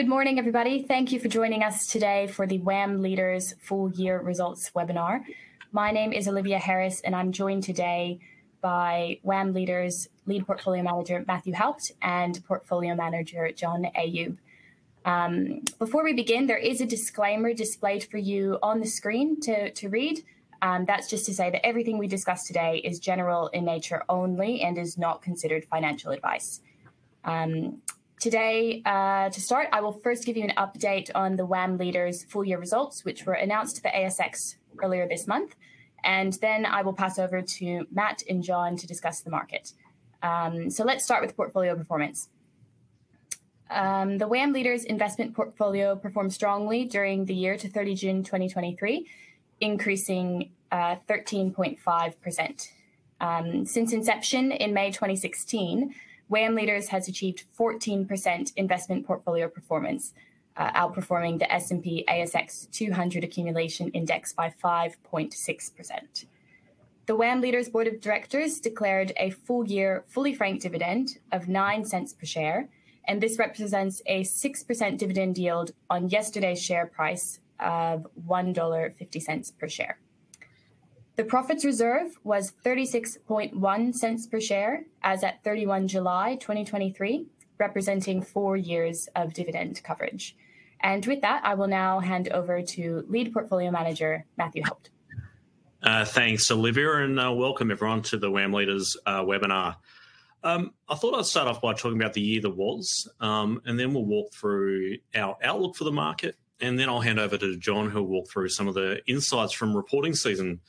Good morning, everybody. Thank you for joining us today for the WAM Leaders full year results webinar. My name is Olivia Harris, and I'm joined today by WAM Leaders Lead Portfolio Manager Matthew Haupt and Portfolio Manager John Ayoub. Before we begin, there is a disclaimer displayed for you on the screen to read. That's just to say that everything we discuss today is general in nature only and is not considered financial advice. Today, to start, I will first give you an update on the WAM Leaders full year results, which were announced to the ASX earlier this month, and then I will pass over to Matt and John to discuss the market. So let's start with the portfolio performance. The WAM Leaders investment portfolio performed strongly during the year to 30 June 2023, increasing 13.5%. Since inception in May 2016, WAM Leaders has achieved 14% investment portfolio performance, outperforming the S&P/ASX 200 Accumulation Index by 5.6%. The WAM Leaders Board of Directors declared a full year, fully franked dividend of 0.09 per share, and this represents a 6% dividend yield on yesterday's share price of 1.50 dollar per share. The profits reserve was 0.361 per share as at 31 July 2023, representing four years of dividend coverage. With that, I will now hand over to Lead Portfolio Manager, Matthew Haupt. Thanks, Olivia, and welcome everyone to the WAM Leaders webinar. I thought I'd start off by talking about the year that was, and then we'll walk through our outlook for the market, and then I'll hand over to John, who'll walk through some of the insights from reporting season.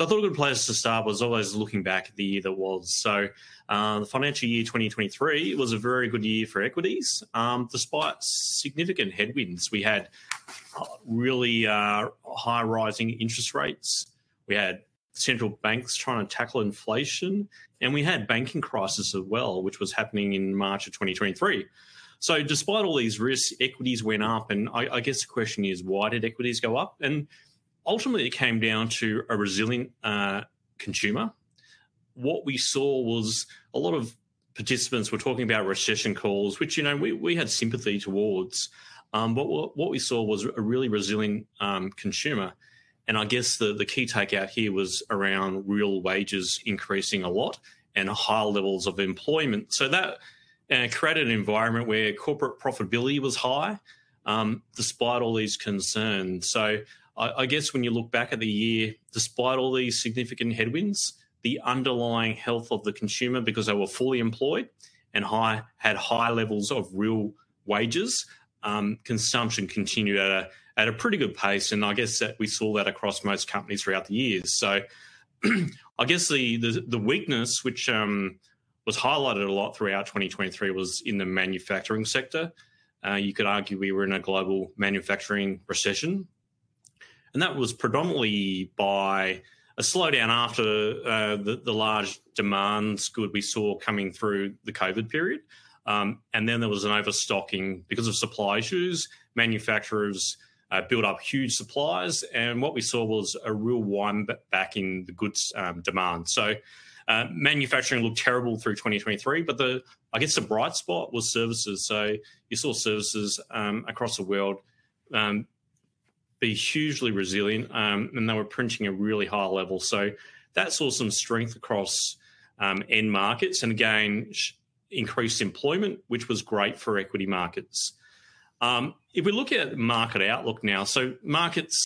I thought a good place to start was always looking back at the year that was. The financial year 2023 was a very good year for equities, despite significant headwinds. We had really high rising interest rates, we had central banks trying to tackle inflation, and we had banking crisis as well, which was happening in March of 2023. Despite all these risks, equities went up, and I guess the question is: Why did equities go up? And ultimately, it came down to a resilient consumer. What we saw was a lot of participants were talking about recession calls, which, you know, we had sympathy towards. But what we saw was a really resilient consumer, and I guess the key takeout here was around real wages increasing a lot and higher levels of employment. So that created an environment where corporate profitability was high, despite all these concerns. So I guess when you look back at the year, despite all these significant headwinds, the underlying health of the consumer, because they were fully employed and had high levels of real wages, consumption continued at a pretty good pace, and I guess that we saw that across most companies throughout the year. So, I guess the weakness, which was highlighted a lot throughout 2023, was in the manufacturing sector. You could argue we were in a global manufacturing recession, and that was predominantly by a slowdown after the large demand surge we saw coming through the COVID period. And then there was an overstocking because of supply issues. Manufacturers built up huge supplies, and what we saw was a real windback in goods demand. So, manufacturing looked terrible through 2023, but I guess the bright spot was services. So you saw services across the world be hugely resilient, and they were printing at a really high level. So that saw some strength across end markets and, again, increased employment, which was great for equity markets. If we look at market outlook now, so markets,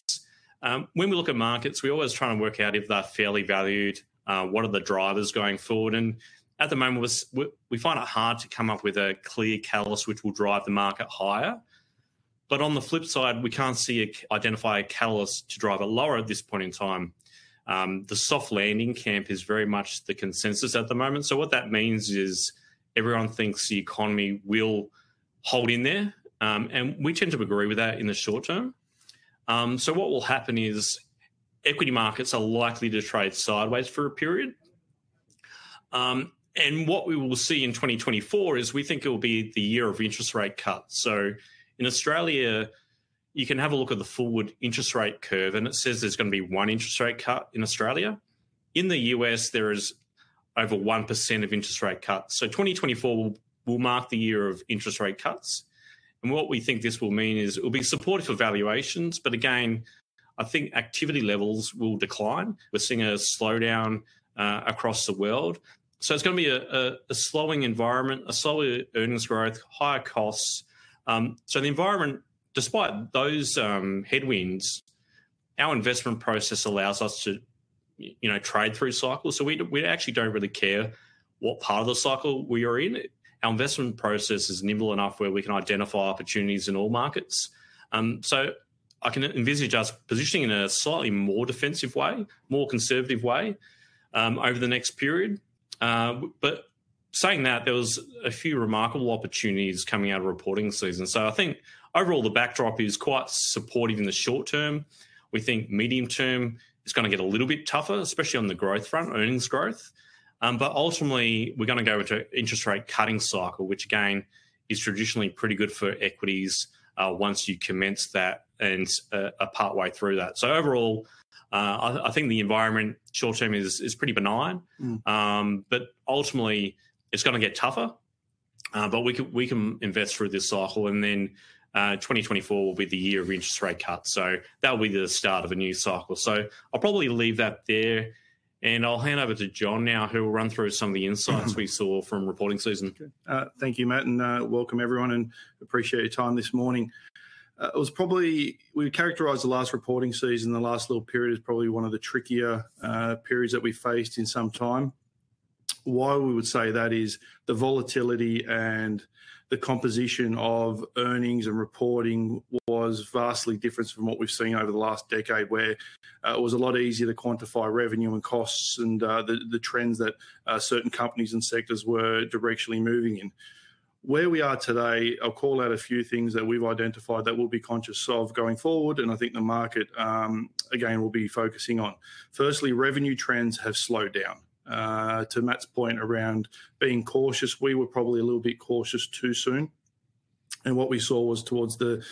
when we look at markets, we're always trying to work out if they're fairly valued, what are the drivers going forward, and at the moment, we find it hard to come up with a clear catalyst which will drive the market higher. But on the flip side, we can't identify a catalyst to drive it lower at this point in time. The soft landing camp is very much the consensus at the moment. So what that means is, everyone thinks the economy will hold in there, and we tend to agree with that in the short term. So what will happen is, equity markets are likely to trade sideways for a period. And what we will see in 2024 is we think it will be the year of interest rate cuts. So in Australia, you can have a look at the forward interest rate curve, and it says there's gonna be one interest rate cut in Australia. In the U.S., there is over 1% of interest rate cuts. So 2024 will mark the year of interest rate cuts, and what we think this will mean is it'll be supportive of valuations, but again, I think activity levels will decline. We're seeing a slowdown across the world, so it's gonna be a slowing environment, a slower earnings growth, higher costs. So the environment, despite those headwinds, our investment process allows us to you know, trade through cycles. So we actually don't really care what part of the cycle we are in. Our investment process is nimble enough where we can identify opportunities in all markets. So I can envisage us positioning in a slightly more defensive way, more conservative way, over the next period. But saying that, there was a few remarkable opportunities coming out of reporting season. So I think overall, the backdrop is quite supportive in the short term. We think medium term, it's gonna get a little bit tougher, especially on the growth front, earnings growth. But ultimately, we're gonna go into interest rate cutting cycle, which again, is traditionally pretty good for equities, once you commence that and, are partway through that. So overall, I, I think the environment short-term is, is pretty benign. Mm. But ultimately, it's gonna get tougher. But we can, we can invest through this cycle, and then, 2024 will be the year of interest rate cuts, so that will be the start of a new cycle. So I'll probably leave that there, and I'll hand over to John now, who will run through some of the insights- Mm-hmm. We saw from reporting season. Thank you, Matt, and welcome everyone, and appreciate your time this morning. We would characterize the last reporting season, the last little period, as probably one of the trickier periods that we've faced in some time. Why we would say that is the volatility and the composition of earnings and reporting was vastly different from what we've seen over the last decade, where it was a lot easier to quantify revenue and costs and the trends that certain companies and sectors were directionally moving in. Where we are today, I'll call out a few things that we've identified that we'll be conscious of going forward, and I think the market, again, will be focusing on. Firstly, revenue trends have slowed down. To Matt's point around being cautious, we were probably a little bit cautious too soon, and what we saw was towards the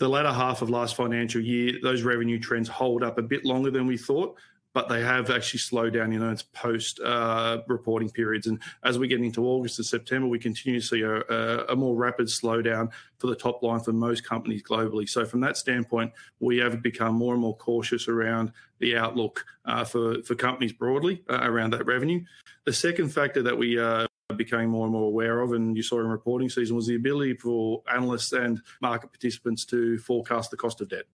latter half of last financial year, those revenue trends hold up a bit longer than we thought, but they have actually slowed down, you know, into post-reporting periods. And as we get into August and September, we continue to see a more rapid slowdown for the top line for most companies globally. So from that standpoint, we have become more and more cautious around the outlook, for companies broadly, around that revenue. The second factor that we became more and more aware of, and you saw in reporting season, was the ability for analysts and market participants to forecast the cost of debt.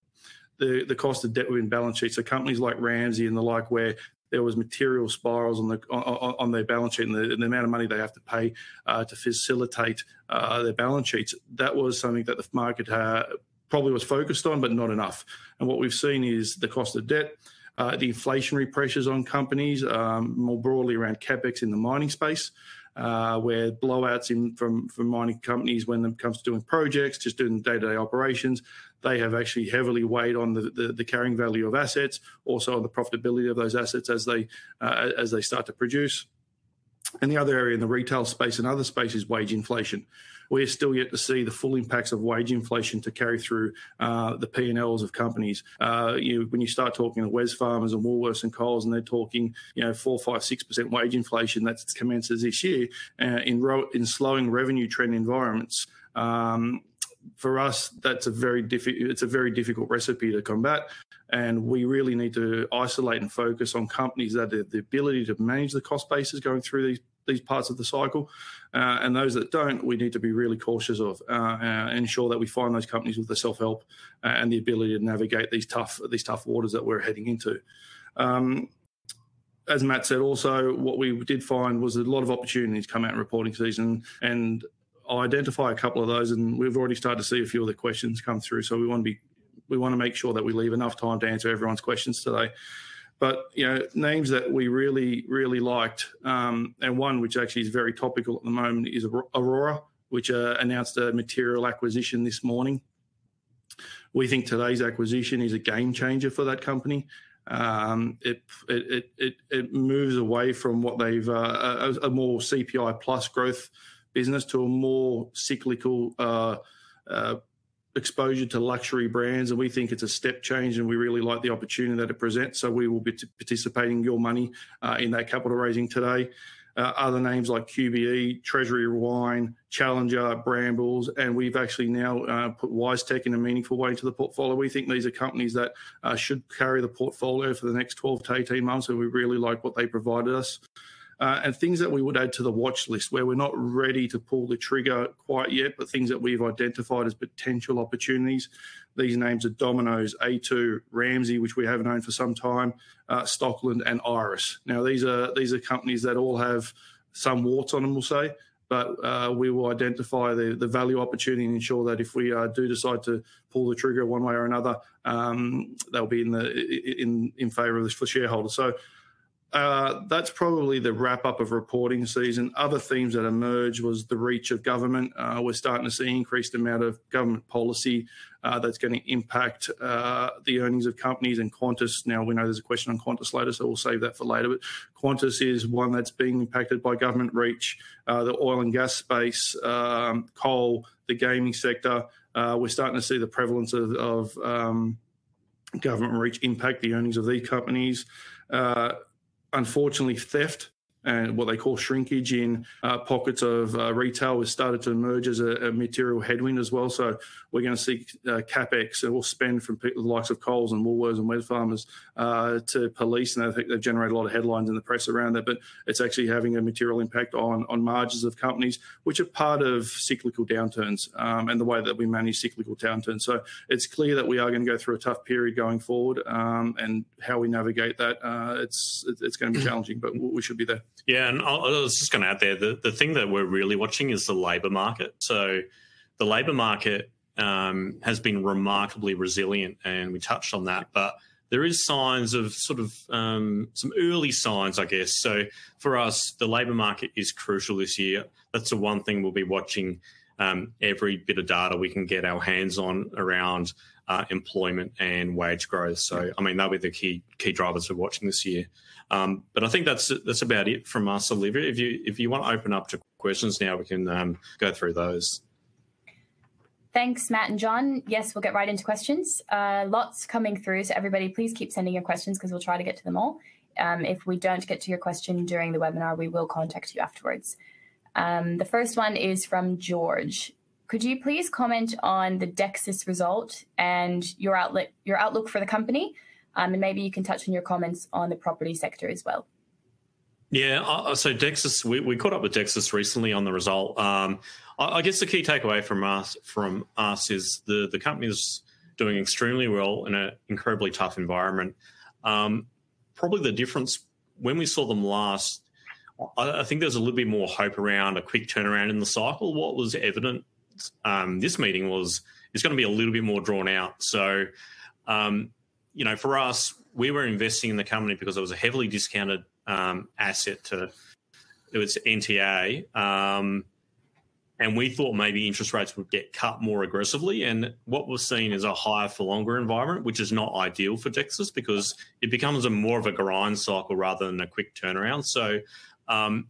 The cost of debt within balance sheets. So companies like Ramsay and the like, where there was material spirals on their balance sheet and the amount of money they have to pay to facilitate their balance sheets, that was something that the market probably was focused on, but not enough. And what we've seen is the cost of debt, the inflationary pressures on companies more broadly around CapEx in the mining space, where blowouts from mining companies when it comes to doing projects, just doing day-to-day operations, they have actually heavily weighed on the carrying value of assets, also on the profitability of those assets as they start to produce. And the other area in the retail space and other spaces, wage inflation. We're still yet to see the full impacts of wage inflation to carry through, the P&Ls of companies. You, when you start talking to Wesfarmers and Woolworths and Coles, and they're talking, you know, 4, 5, 6% wage inflation that commences this year, in slowing revenue trend environments, for us, that's a very difficult recipe to combat, and we really need to isolate and focus on companies that have the ability to manage the cost basis going through these parts of the cycle. And those that don't, we need to be really cautious of, ensure that we find those companies with the self-help, and the ability to navigate these tough waters that we're heading into. As Matt said also, what we did find was a lot of opportunities come out in reporting season, and I'll identify a couple of those, and we've already started to see a few of the questions come through, so we wanna make sure that we leave enough time to answer everyone's questions today. But, you know, names that we really, really liked, and one which actually is very topical at the moment, is Orora, which announced a material acquisition this morning. We think today's acquisition is a game changer for that company. It moves away from what they've a more CPI plus growth business to a more cyclical exposure to luxury brands, and we think it's a step change, and we really like the opportunity that it presents, so we will be participating your money in that capital raising today. Other names like QBE, Treasury Wine, Challenger, Brambles, and we've actually now put WiseTech in a meaningful way into the portfolio. We think these are companies that should carry the portfolio for the next 12-18 months, and we really like what they provided us. And things that we would add to the watchlist, where we're not ready to pull the trigger quite yet, but things that we've identified as potential opportunities. These names are Domino's, A2, Ramsay, which we have known for some time, Stockland and Iress. Now, these are, these are companies that all have some warts on them, we'll say, but, we will identify the, the value opportunity and ensure that if we, do decide to pull the trigger one way or another, they'll be in the, in favor of this for shareholders. So, that's probably the wrap-up of reporting season. Other themes that emerged was the reach of government. We're starting to see increased amount of government policy, that's going to impact, the earnings of companies and Qantas. Now, we know there's a question on Qantas later, so we'll save that for later. But Qantas is one that's being impacted by government reach, the oil and gas space, coal, the gaming sector. We're starting to see the prevalence of, of, government reach impact the earnings of these companies. Unfortunately, theft and what they call shrinkage in pockets of retail has started to emerge as a material headwind as well. So we're gonna see CapEx, so we'll spend from the likes of Coles and Woolworths and Wesfarmers to police, and I think they generate a lot of headlines in the press around that, but it's actually having a material impact on margins of companies, which are part of cyclical downturns, and the way that we manage cyclical downturns. So it's clear that we are gonna go through a tough period going forward, and how we navigate that, it's gonna be challenging, but we should be there. Yeah, and I'll, I was just gonna add there, the, the thing that we're really watching is the labor market. So the labor market, um, has been remarkably resilient, and we touched on that, but there is signs of, sort of, um, some early signs, I guess. So for us, the labor market is crucial this year. That's the one thing we'll be watching, um, every bit of data we can get our hands on around, uh, employment and wage growth. So, I mean, that'll be the key, key drivers we're watching this year. Um, but I think that's, that's about it from us. Olivia, if you, if you want to open up to questions now, we can, um, go through those. Thanks, Matt and John. Yes, we'll get right into questions. Lots coming through, so everybody, please keep sending your questions, 'cause we'll try to get to them all. If we don't get to your question during the webinar, we will contact you afterwards. The first one is from George: "Could you please comment on the Dexus result and your outlook for the company? And maybe you can touch on your comments on the property sector as well. Yeah, so Dexus, we caught up with Dexus recently on the result. I guess the key takeaway from us is the company is doing extremely well in an incredibly tough environment. Probably the difference when we saw them last, I think there was a little bit more hope around a quick turnaround in the cycle. What was evident this meeting was, it's gonna be a little bit more drawn out. So, you know, for us, we were investing in the company because it was a heavily discounted asset to its NTA, and we thought maybe interest rates would get cut more aggressively. What we're seeing is a higher for longer environment, which is not ideal for Dexus, because it becomes a more of a grind cycle rather than a quick turnaround.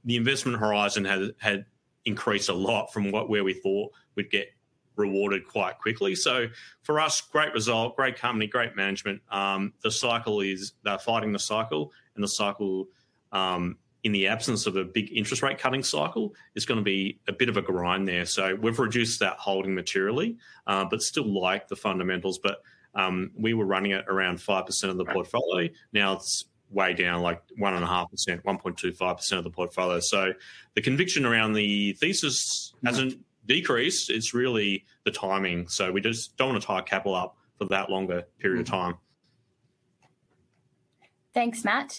The investment horizon has had increased a lot from where we thought we'd get rewarded quite quickly. So for us, great result, great company, great management. The cycle is, they're fighting the cycle, and the cycle, in the absence of a big interest rate cutting cycle, is gonna be a bit of a grind there. So we've reduced that holding materially, but still like the fundamentals, but we were running at around 5% of the portfolio. Now it's way down, like 1.5%, 1.25% of the portfolio. So the conviction around the thesis Mm-hmm Hasn't decreased, it's really the timing. So we just don't want to tie capital up for that longer period of time. Thanks, Matt.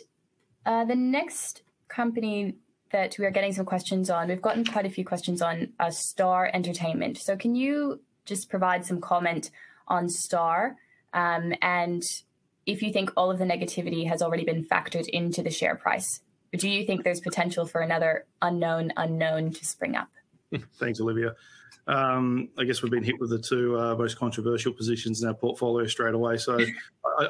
The next company that we are getting some questions on, we've gotten quite a few questions on, Star Entertainment. So can you just provide some comment on Star? And if you think all of the negativity has already been factored into the share price, or do you think there's potential for another unknown unknown to spring up? Thanks, Olivia. I guess we've been hit with the two most controversial positions in our portfolio straight away.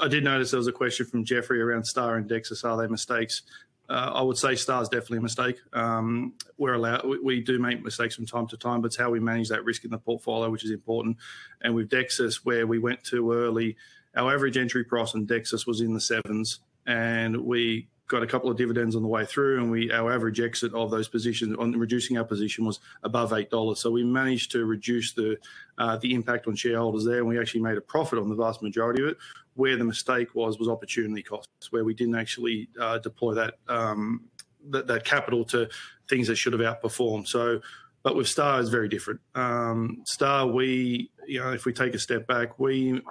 I did notice there was a question from Jeffrey around Star and Dexus; are they mistakes? I would say Star is definitely a mistake. We do make mistakes from time to time, but it's how we manage that risk in the portfolio, which is important. And with Dexus, where we went too early, our average entry price in Dexus was in the AUD 7s, and we got a couple of dividends on the way through, and our average exit of those positions, on reducing our position, was above 8 dollars. We managed to reduce the impact on shareholders there, and we actually made a profit on the vast majority of it. Where the mistake was, was opportunity costs, where we didn't actually deploy that, that capital to things that should have outperformed. So, but with Star, it's very different. Star, we, you know, if we take a step back, we,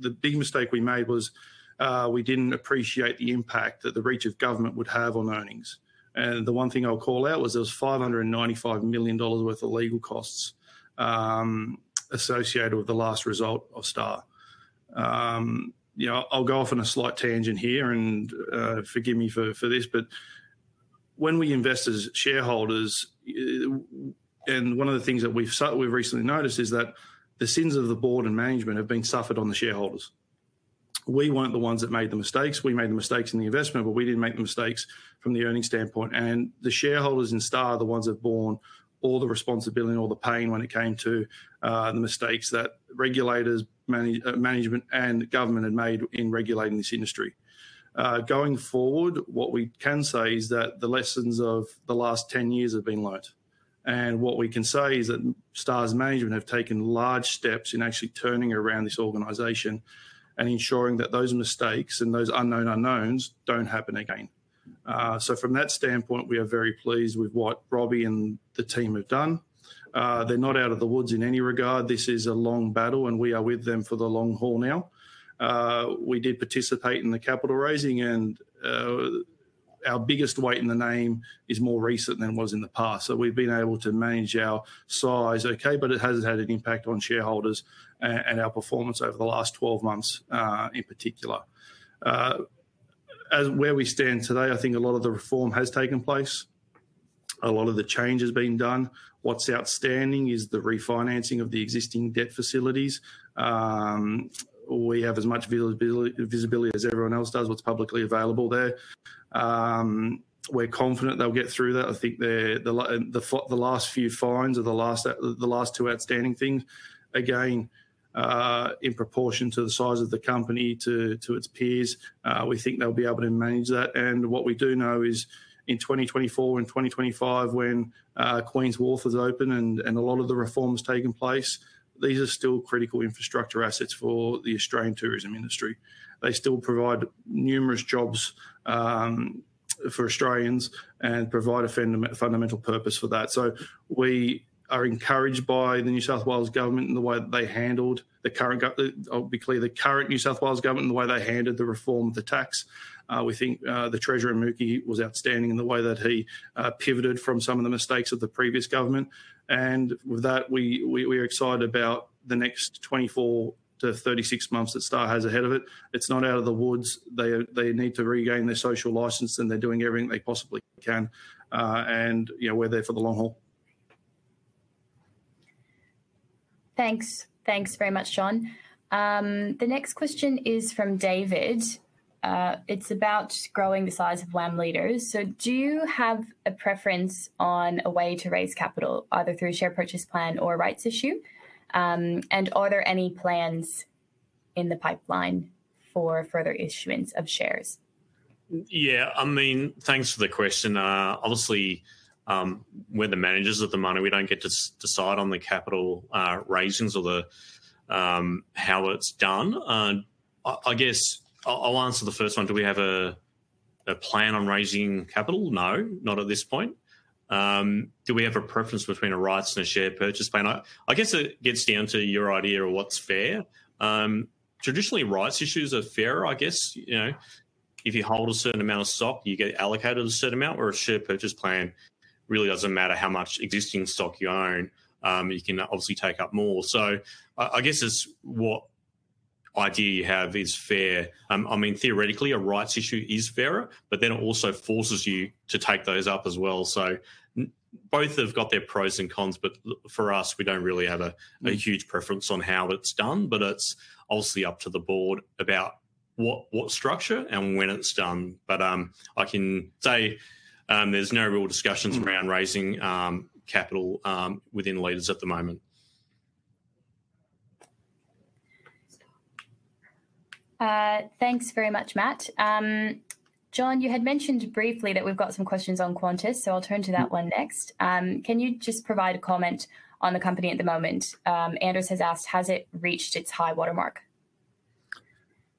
the big mistake we made was, we didn't appreciate the impact that the reach of government would have on earnings. And the one thing I'll call out was, there was 595 million dollars worth of legal costs, associated with the last result of Star. You know, I'll go off on a slight tangent here, and, forgive me for this, but when we invest as shareholders, and one of the things that we've recently noticed is that the sins of the board and management have been suffered on the shareholders. We weren't the ones that made the mistakes. We made the mistakes in the investment, but we didn't make the mistakes from the earnings standpoint. The shareholders in Star are the ones that borne all the responsibility and all the pain when it came to the mistakes that regulators, management, and government had made in regulating this industry. Going forward, what we can say is that the lessons of the last 10 years have been learned. What we can say is that Star's management have taken large steps in actually turning around this organization and ensuring that those mistakes and those unknown unknowns don't happen again. So from that standpoint, we are very pleased with what Robbie and the team have done. They're not out of the woods in any regard. This is a long battle, and we are with them for the long haul now. We did participate in the capital raising, and our biggest weight in the name is more recent than it was in the past. So we've been able to manage our size okay, but it has had an impact on shareholders and our performance over the last 12 months, in particular. Where we stand today, I think a lot of the reform has taken place, a lot of the change has been done. What's outstanding is the refinancing of the existing debt facilities. We have as much visibility as everyone else does, what's publicly available there. We're confident they'll get through that. I think the last few fines are the last two outstanding things. Again, in proportion to the size of the company, to its peers, we think they'll be able to manage that. And what we do know is in 2024 and 2025, when Queens Wharf is open and a lot of the reforms taking place, these are still critical infrastructure assets for the Australian tourism industry. They still provide numerous jobs for Australians and provide a fundamental purpose for that. So we are encouraged by the New South Wales government and the way that they handled the current. I'll be clear, the current New South Wales government and the way they handled the reform of the tax. We think the Treasurer Mookhey was outstanding in the way that he pivoted from some of the mistakes of the previous government. With that, we're excited about the next 24-36 months that Star has ahead of it. It's not out of the woods. They need to regain their social license, and they're doing everything they possibly can. You know, we're there for the long haul. Thanks. Thanks very much, John. The next question is from David. It's about growing the size of WAM Leaders. So do you have a preference on a way to raise capital, either through a share purchase plan or a rights issue? And are there any plans in the pipeline for further issuance of shares? Yeah, I mean, thanks for the question. Obviously, we're the managers of the money. We don't get to decide on the capital raisings or the how it's done. I guess I'll answer the first one. Do we have a plan on raising capital? No, not at this point. Do we have a preference between a rights and a share purchase plan? I guess it gets down to your idea of what's fair. Traditionally, rights issues are fairer, I guess. You know, if you hold a certain amount of stock, you get allocated a certain amount, where a share purchase plan really doesn't matter how much existing stock you own, you can obviously take up more. So I guess it's what idea you have is fair. I mean, theoretically, a rights issue is fairer, but then it also forces you to take those up as well. So both have got their pros and cons, but for us, we don't really have a huge preference on how it's done, but it's obviously up to the board about what structure and when it's done. But I can say, there's no real discussions around raising capital within Leaders at the moment. Thanks very much, Matt. John, you had mentioned briefly that we've got some questions on Qantas, so I'll turn to that one next. Can you just provide a comment on the company at the moment? Anders has asked: Has it reached its high watermark?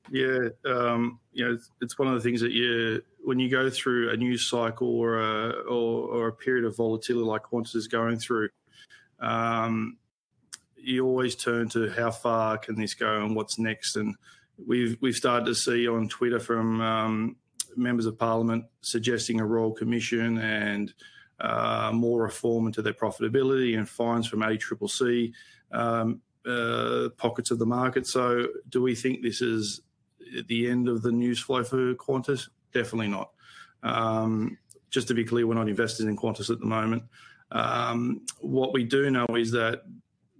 Yeah, you know, it's one of the things that you. When you go through a news cycle or a period of volatility like Qantas is going through, you always turn to: How far can this go, and what's next? And we've started to see on Twitter from members of Parliament suggesting a Royal Commission and more reform into their profitability and fines from ACCC, pockets of the market. So do we think this is the end of the news flow for Qantas? Definitely not. Just to be clear, we're not invested in Qantas at the moment. What we do know is that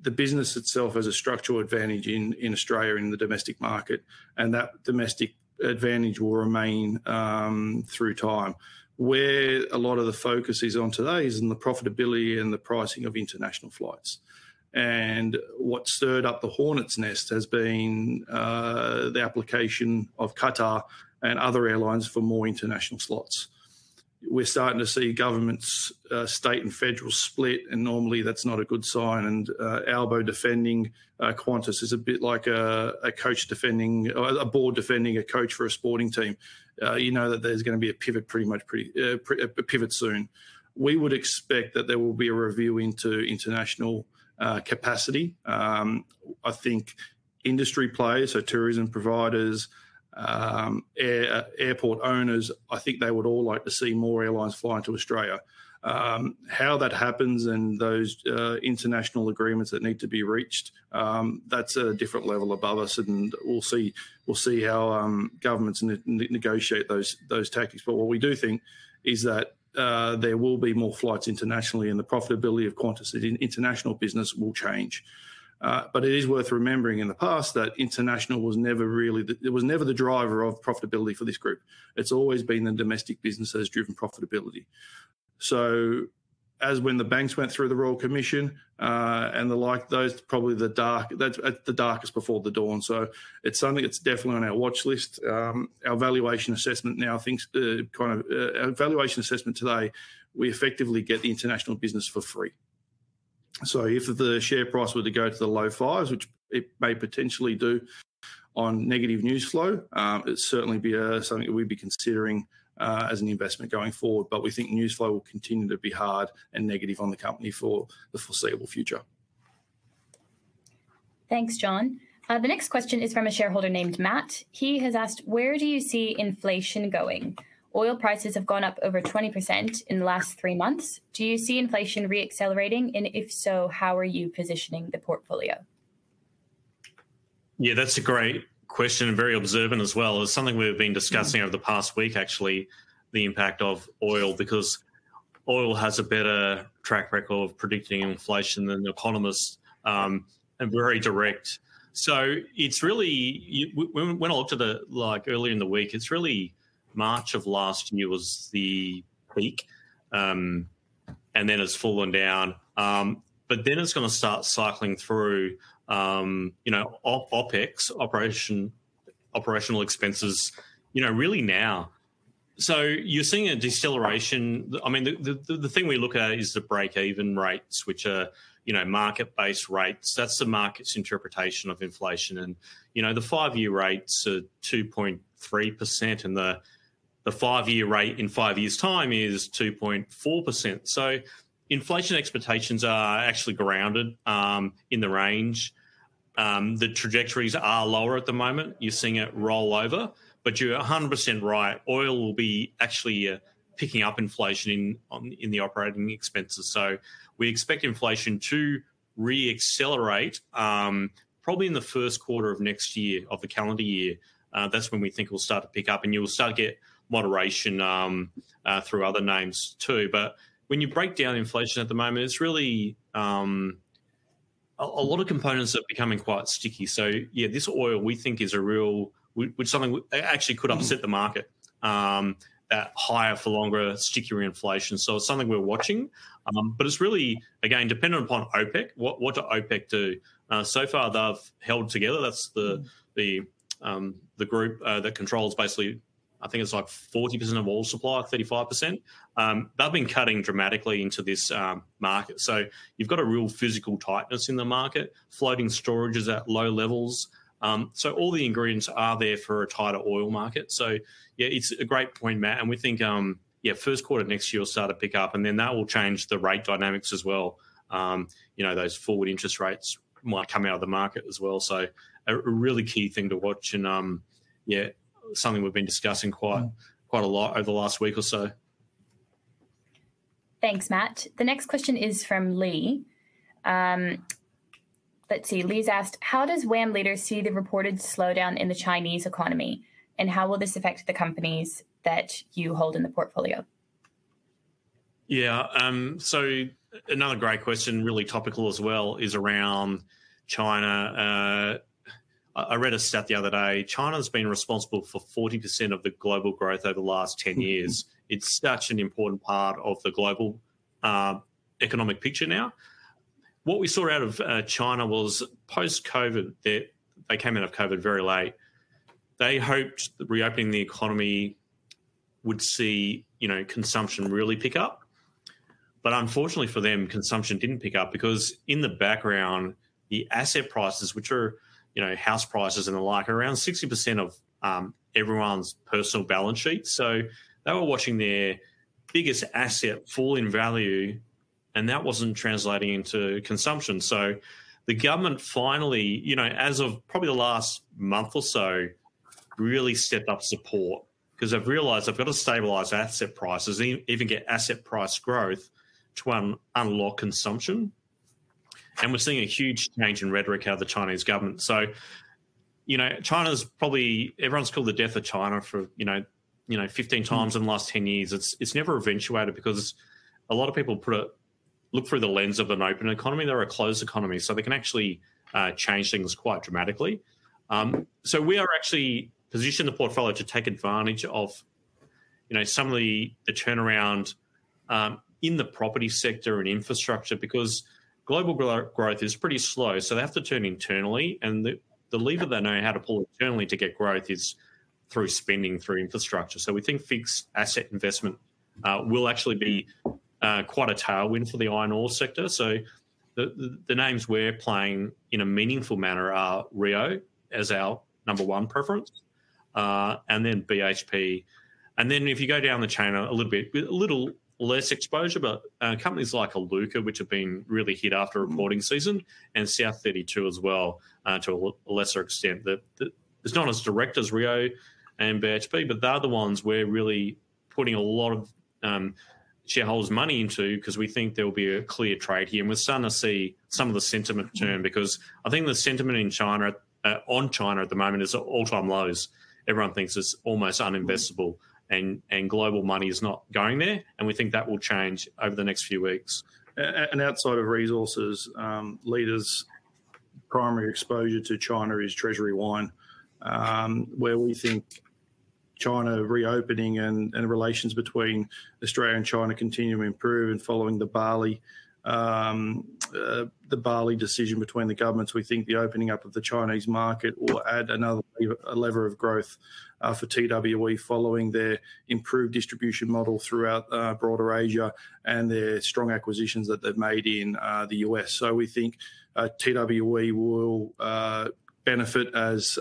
the business itself has a structural advantage in Australia, in the domestic market, and that domestic advantage will remain through time. Where a lot of the focus is on today is in the profitability and the pricing of international flights. What stirred up the hornet's nest has been the application of Qatar and other airlines for more international slots. We're starting to see governments, state and federal split, and normally that's not a good sign, and, Albo defending, Qantas is a bit like, a coach defending- or a board defending a coach for a sporting team. You know that there's gonna be a pivot pretty much, pretty, a pivot soon. We would expect that there will be a review into international, capacity. I think industry players, so tourism providers, air, airport owners, I think they would all like to see more airlines flying to Australia. How that happens and those international agreements that need to be reached, that's a different level above us, and we'll see, we'll see how governments negotiate those tactics. But what we do think is that there will be more flights internationally, and the profitability of Qantas' international business will change. But it is worth remembering in the past that international was never really the, it was never the driver of profitability for this group. It's always been the domestic businesses driving profitability. So as when the banks went through the Royal Commission, and the like, those probably the darkest before the dawn. That's at the darkest before the dawn. So it's something that's definitely on our watch list. Our valuation assessment now, I think, kind of. Our valuation assessment today, we effectively get the international business for free. So if the share price were to go to the low fives, which it may potentially do on negative news flow, it'd certainly be something that we'd be considering as an investment going forward. But we think news flow will continue to be hard and negative on the company for the foreseeable future. Thanks, John. The next question is from a shareholder named Matt. He has asked: Where do you see inflation going? Oil prices have gone up over 20% in the last three months. Do you see inflation re-accelerating, and if so, how are you positioning the portfolio? Yeah, that's a great question, and very observant as well. It's something we've been discussing over the past week, actually, the impact of oil, because oil has a better track record of predicting inflation than economists, and very direct. So it's really when I looked at it, like, earlier in the week, it's really March of last year was the peak, and then it's fallen down. But then it's gonna start cycling through, you know, OpEx, operational expenses, you know, really now. So you're seeing a deceleration. I mean, the thing we look at is the break-even rates, which are, you know, market-based rates. That's the market's interpretation of inflation. And, you know, the five-year rates are 2.3%, and the five-year rate in five years' time is 2.4%. So inflation expectations are actually grounded in the range. The trajectories are lower at the moment. You're seeing it roll over, but you're 100% right. Oil will be actually picking up inflation in in the operating expenses. So we expect inflation to re-accelerate probably in the first quarter of next year, of the calendar year. That's when we think it will start to pick up, and you will start to get moderation through other names, too. But when you break down inflation at the moment, it's really a lot of components are becoming quite sticky. So yeah, this oil, we think, is really something actually could upset the market that higher for longer, stickier inflation. So it's something we're watching, but it's really, again, dependent upon OPEC. What do OPEC do? So far, they've held together. That's the group that controls basically, I think it's like 40% of all supply, or 35%. They've been cutting dramatically into this market. So you've got a real physical tightness in the market, floating storage is at low levels. So all the ingredients are there for a tighter oil market. So yeah, it's a great point, Matt, and we think, yeah, first quarter next year will start to pick up, and then that will change the rate dynamics as well. You know, those forward interest rates might come out of the market as well. So a really key thing to watch, and yeah, something we've been discussing quite quite a lot over the last week or so. Thanks, Matt. The next question is from Lee. Let's see, Lee's asked: How does WAM Leaders see the reported slowdown in the Chinese economy, and how will this affect the companies that you hold in the portfolio? Yeah, so another great question, really topical as well, is around China. I read a stat the other day, China's been responsible for 40% of the global growth over the last 10 years. It's such an important part of the global economic picture now. What we saw out of China was post-COVID, they came out of COVID very late. They hoped that reopening the economy would see, you know, consumption really pick up. But unfortunately for them, consumption didn't pick up, because in the background, the asset prices, which are, you know, house prices and the like, are around 60% of everyone's personal balance sheet. So they were watching their biggest asset fall in value, and that wasn't translating into consumption. So the government finally, you know, as of probably the last month or so, really stepped up support, 'cause they've realized they've got to stabilize asset prices, even get asset price growth to unlock consumption. And we're seeing a huge change in rhetoric out of the Chinese government. So, you know, China's probably everyone's called the death of China for, you know, you know, 15 times in the last 10 years. It's, it's never eventuated because a lot of people put a look through the lens of an open economy. They're a closed economy, so they can actually change things quite dramatically. So we are actually positioned the portfolio to take advantage of, you know, some of the turnaround in the property sector and infrastructure, because global growth is pretty slow, so they have to turn internally, and the lever they know how to pull internally to get growth is through spending, through infrastructure. So we think fixed asset investment will actually be quite a tailwind for the iron ore sector. So the names we're playing in a meaningful manner are Rio as our number one preference, and then BHP. And then if you go down the chain a little bit, a little less exposure, but companies like Iluka, which have been really hit after reporting season, and South32 as well, to a lesser extent, that it's not as direct as Rio and BHP, but they're the ones we're really putting a lot of shareholders' money into, 'cause we think there will be a clear trade here. And we're starting to see some of the sentiment turn, because I think the sentiment in China on China at the moment is at all-time lows. Everyone thinks it's almost uninvestable, and global money is not going there, and we think that will change over the next few weeks. And outside of resources, Leaders' primary exposure to China is Treasury Wine Estates, where we think China reopening and relations between Australia and China continue to improve. And following the barley decision between the governments, we think the opening up of the Chinese market will add another lever of growth for TWE, following their improved distribution model throughout broader Asia and the strong acquisitions that they've made in the U.S. So we think TWE will benefit as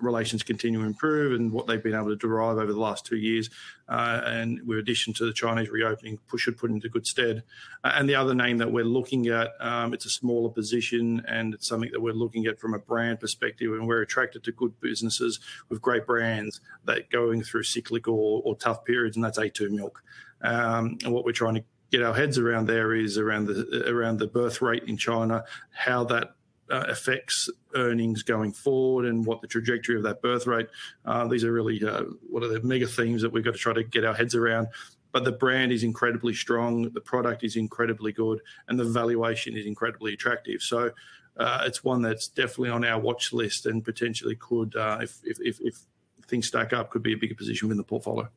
relations continue to improve and what they've been able to derive over the last two years and with addition to the Chinese reopening should put into good stead. And the other name that we're looking at, it's a smaller position, and it's something that we're looking at from a brand perspective, and we're attracted to good businesses with great brands that are going through cyclical or tough periods, and that's A2 Milk. And what we're trying to get our heads around there is around the birth rate in China, how that affects earnings going forward and what the trajectory of that birth rate. These are really one of the mega themes that we've got to try to get our heads around. But the brand is incredibly strong, the product is incredibly good, and the valuation is incredibly attractive. So, it's one that's definitely on our watch list and potentially could, if things stack up, could be a bigger position in the portfolio.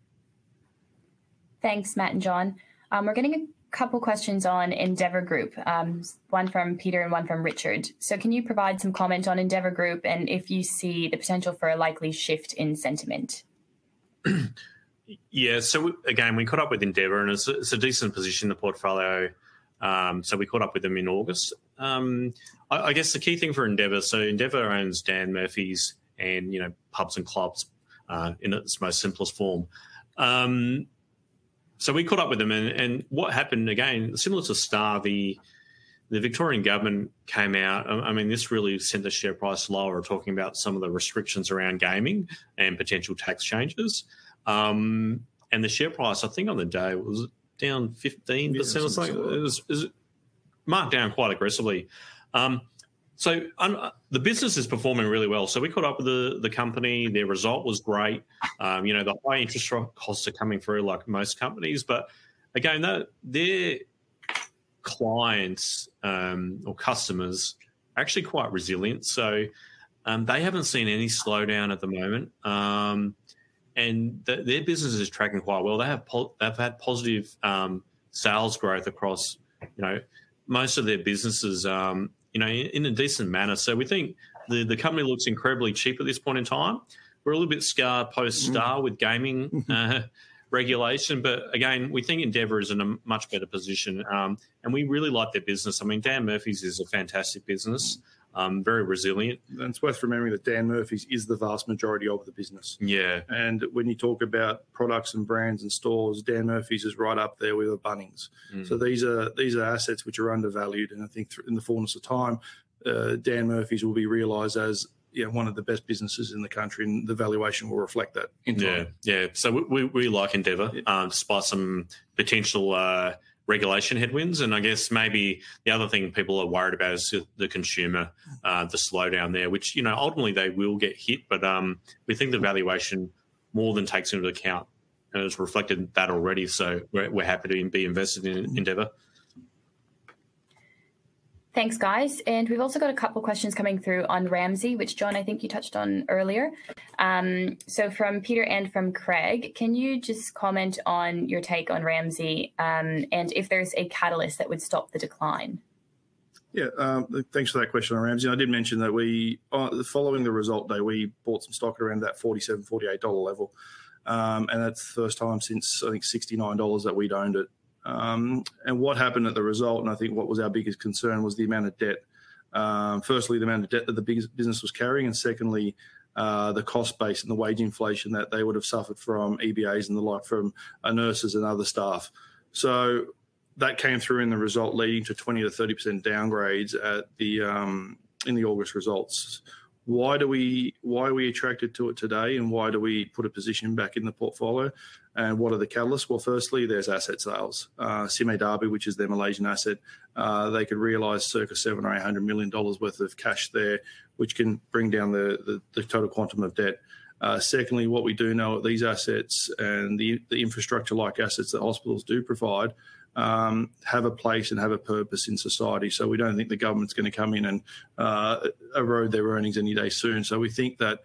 Thanks, Matt and John. We're getting a couple questions on Endeavour Group, one from Peter and one from Richard. So can you provide some comment on Endeavour Group, and if you see the potential for a likely shift in sentiment? Yeah. So again, we caught up with Endeavour, and it's a decent position in the portfolio. So we caught up with them in August. I guess the key thing for Endeavour, so Endeavour owns Dan Murphy's and, you know, pubs and clubs in its most simplest form. So we caught up with them, and what happened, again, similar to Star, the Victorian government came out. I mean, this really sent the share price lower, talking about some of the restrictions around gaming and potential tax changes. And the share price, I think on the day, was down 15, it sounds like? It was marked down quite aggressively. So the business is performing really well. So we caught up with the company. Their result was great. You know, the high interest costs are coming through like most companies, but again, their clients or customers are actually quite resilient. So, they haven't seen any slowdown at the moment, and their business is tracking quite well. They've had positive sales growth across, you know, most of their businesses, you know, in a decent manner. So we think the company looks incredibly cheap at this point in time. We're a little bit scarred post-Star with gaming regulation, but again, we think Endeavour is in a much better position, and we really like their business. I mean, Dan Murphy's is a fantastic business, very resilient. It's worth remembering that Dan Murphy's is the vast majority of the business. Yeah. When you talk about products and brands and stores, Dan Murphy's is right up there with the Bunnings. Mm. These are assets which are undervalued, and I think in the fullness of time, Dan Murphy's will be realized as, you know, one of the best businesses in the country, and the valuation will reflect that in time. Yeah, yeah. So we like Endeavour, despite some potential regulation headwinds, and I guess maybe the other thing people are worried about is the consumer slowdown there, which, you know, ultimately they will get hit, but we think the valuation more than takes into account, and it's reflected in that already, so we're happy to be invested in Endeavour. Thanks, guys. We've also got a couple questions coming through on Ramsay, which, John, I think you touched on earlier. From Peter and from Craig, can you just comment on your take on Ramsay, and if there's a catalyst that would stop the decline? Yeah, thanks for that question on Ramsay. I did mention that we, following the results day, we bought some stock around that 47-48 dollar level. And that's the first time since, I think, 69 dollars that we'd owned it. And what happened at the results, and I think what was our biggest concern, was the amount of debt. Firstly, the amount of debt that the business was carrying, and secondly, the cost base and the wage inflation that they would have suffered from EBAs and the like from nurses and other staff. So that came through in the results, leading to 20%-30% downgrades in the August results. Why are we attracted to it today, and why do we put a position back in the portfolio, and what are the catalysts? Well, firstly, there's asset sales. Sime Darby, which is their Malaysian asset, they could realize circa 700 million-800 million dollars worth of cash there, which can bring down the total quantum of debt. Secondly, what we do know, these assets and the infrastructure-like assets that hospitals do provide, have a place and have a purpose in society. So we don't think the government's gonna come in and erode their earnings any day soon. So we think that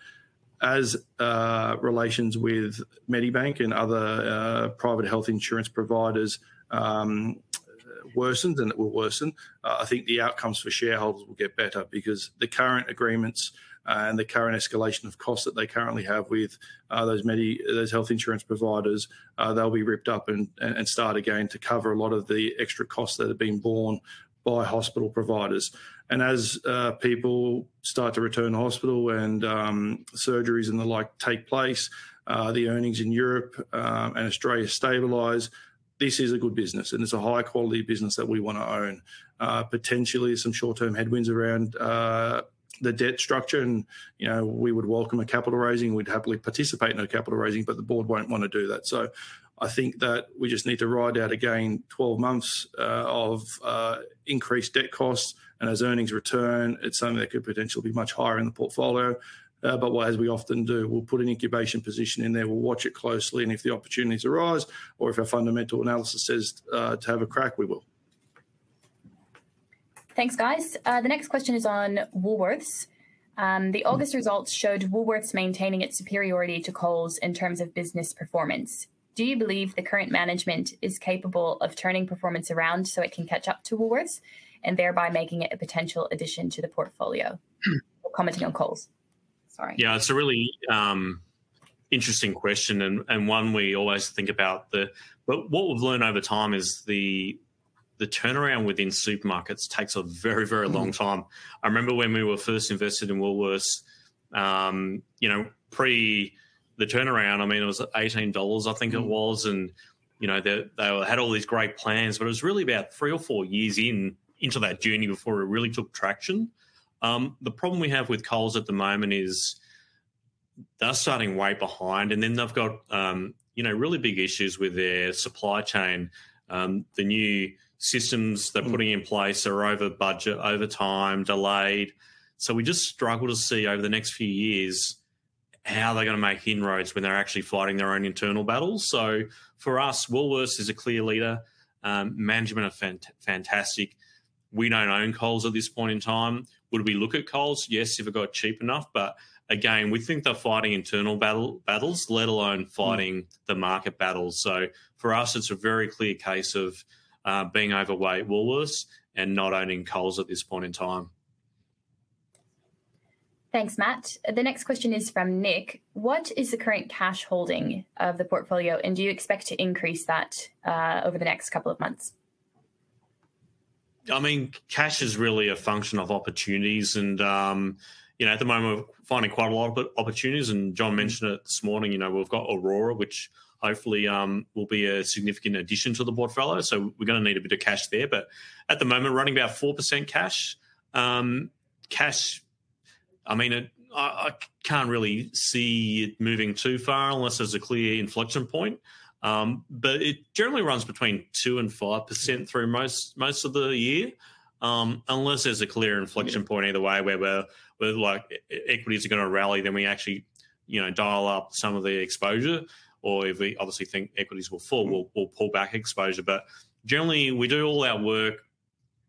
as relations with Medibank and other private health insurance providers worsens, and it will worsen, I think the outcomes for shareholders will get better because the current agreements and the current escalation of costs that they currently have with those medi Those health insurance providers, they'll be ripped up and start again to cover a lot of the extra costs that have been borne by hospital providers. And as people start to return to hospital and surgeries and the like take place, the earnings in Europe and Australia stabilize. This is a good business, and it's a high-quality business that we wanna own. Potentially some short-term headwinds around the debt structure and, you know, we would welcome a capital raising. We'd happily participate in a capital raising, but the board won't want to do that. So I think that we just need to ride out again 12 months of increased debt costs, and as earnings return, it's something that could potentially be much higher in the portfolio. But as we often do, we'll put an incubation position in there, we'll watch it closely, and if the opportunities arise or if our fundamental analysis says to have a crack, we will. Thanks, guys. The next question is on Woolworths. The August results showed Woolworths maintaining its superiority to Coles in terms of business performance. Do you believe the current management is capable of turning performance around so it can catch up to Woolworths and thereby making it a potential addition to the portfolio? Or commenting on Coles. Sorry. Yeah, it's a really interesting question and one we always think about. But what we've learned over time is the turnaround within supermarkets takes a very, very long time. I remember when we were first invested in Woolworths, you know, pre the turnaround, I mean, it was at 18 dollars, I think it was, and, you know, they had all these great plans, but it was really about three or four years into that journey before it really took traction. The problem we have with Coles at the moment is they're starting way behind, and then they've got, you know, really big issues with their supply chain. The new systems they're putting in place are over budget, over time, delayed. So we just struggle to see over the next few years how they're gonna make inroads when they're actually fighting their own internal battles. So for us, Woolworths is a clear leader. Management are fantastic. We don't own Coles at this point in time. Would we look at Coles? Yes, if it got cheap enough, but again, we think they're fighting internal battles, let alone fighting the market battles. So for us, it's a very clear case of being overweight Woolworths and not owning Coles at this point in time. Thanks, Matt. The next question is from Nick: What is the current cash holding of the portfolio, and do you expect to increase that over the next couple of months? I mean, cash is really a function of opportunities and, you know, at the moment, we're finding quite a lot of opportunities, and John mentioned it this morning, you know, we've got Orora, which hopefully will be a significant addition to the portfolio, so we're gonna need a bit of cash there, but at the moment, running about 4% cash. I mean, it, I can't really see it moving too far unless there's a clear inflection point. But it generally runs between 2%-5% through most of the year, unless there's a clear inflection point either way, where we're, like, equities are gonna rally, then we actually, you know, dial up some of the exposure, or if we obviously think equities will fall, we'll pull back exposure. But generally, we do all our work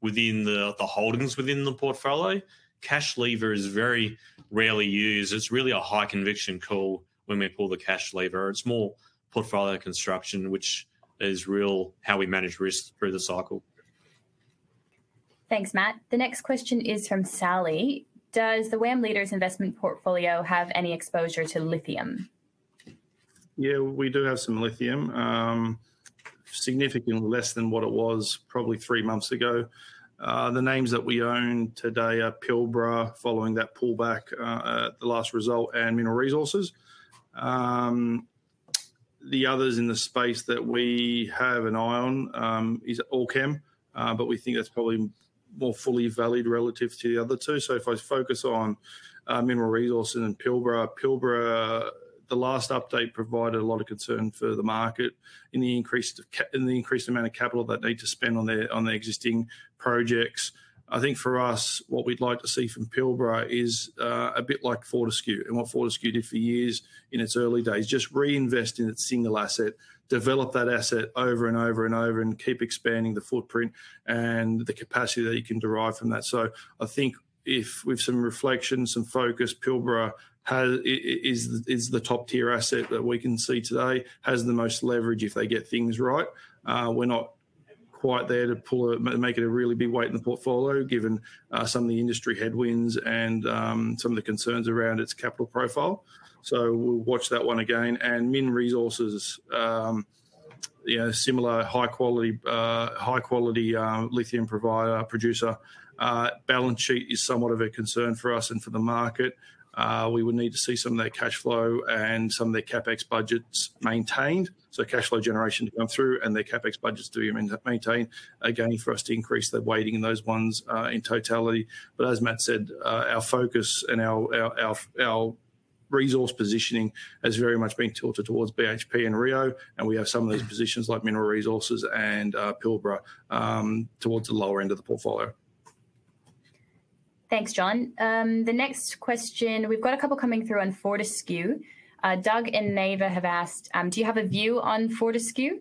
within the holdings within the portfolio. Cash lever is very rarely used. It's really a high conviction call when we pull the cash lever. It's more portfolio construction, which is real, how we manage risk through the cycle. Thanks, Matt. The next question is from Sally: Does the WAM Leaders investment portfolio have any exposure to lithium? Yeah, we do have some lithium. Significantly less than what it was probably three months ago. The names that we own today are Pilbara, following that pullback at the last result, and Mineral Resources. The others in the space that we have an eye on is Allkem, but we think that's probably more fully valued relative to the other two. So if I focus on Mineral Resources and Pilbara, Pilbara, the last update provided a lot of concern for the market in the increased amount of capital they'd need to spend on their existing projects. I think for us, what we'd like to see from Pilbara is a bit like Fortescue, and what Fortescue did for years in its early days, just reinvest in its single asset, develop that asset over and over and over, and keep expanding the footprint and the capacity that you can derive from that. So I think if, with some reflection, some focus, Pilbara has, is the top-tier asset that we can see today, has the most leverage if they get things right. We're not quite there to make it a really big weight in the portfolio, given some of the industry headwinds and some of the concerns around its capital profile. So we'll watch that one again. And Mineral Resources, you know, similar high quality, high quality lithium provider, producer. Balance sheet is somewhat of a concern for us and for the market. We would need to see some of their cash flow and some of their CapEx budgets maintained, so cash flow generation to come through and their CapEx budgets to remain, maintained again for us to increase the weighting in those ones, in totality. But as Matt said, our focus and our resource positioning has very much been tilted towards BHP and Rio, and we have some of these positions like Mineral Resources and Pilbara, towards the lower end of the portfolio. Thanks, John. The next question, we've got a couple coming through on Fortescue. Doug and Nava have asked: "Do you have a view on Fortescue?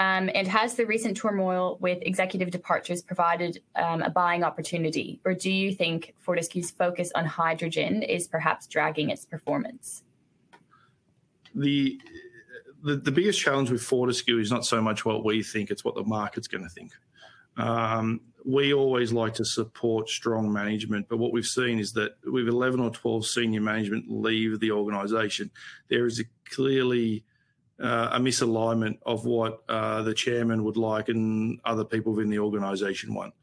And has the recent turmoil with executive departures provided a buying opportunity, or do you think Fortescue's focus on hydrogen is perhaps dragging its performance? The biggest challenge with Fortescue is not so much what we think, it's what the market's gonna think. We always like to support strong management, but what we've seen is that with 11 or 12 senior management leave the organization, there is a clearly a misalignment of what the chairman would like and other people in the organization want.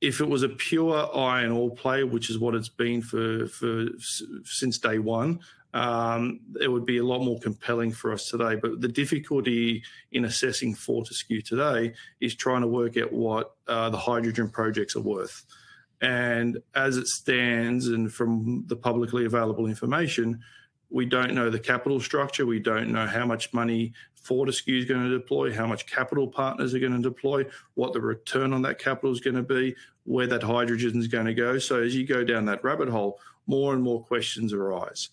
If it was a pure iron ore player, which is what it's been for since day one, it would be a lot more compelling for us today. But the difficulty in assessing Fortescue today is trying to work out what the hydrogen projects are worth. As it stands, and from the publicly available information, we don't know the capital structure, we don't know how much money Fortescue's gonna deploy, how much capital partners are gonna deploy, what the return on that capital is gonna be, where that hydrogen's gonna go. So as you go down that rabbit hole, more and more questions arise.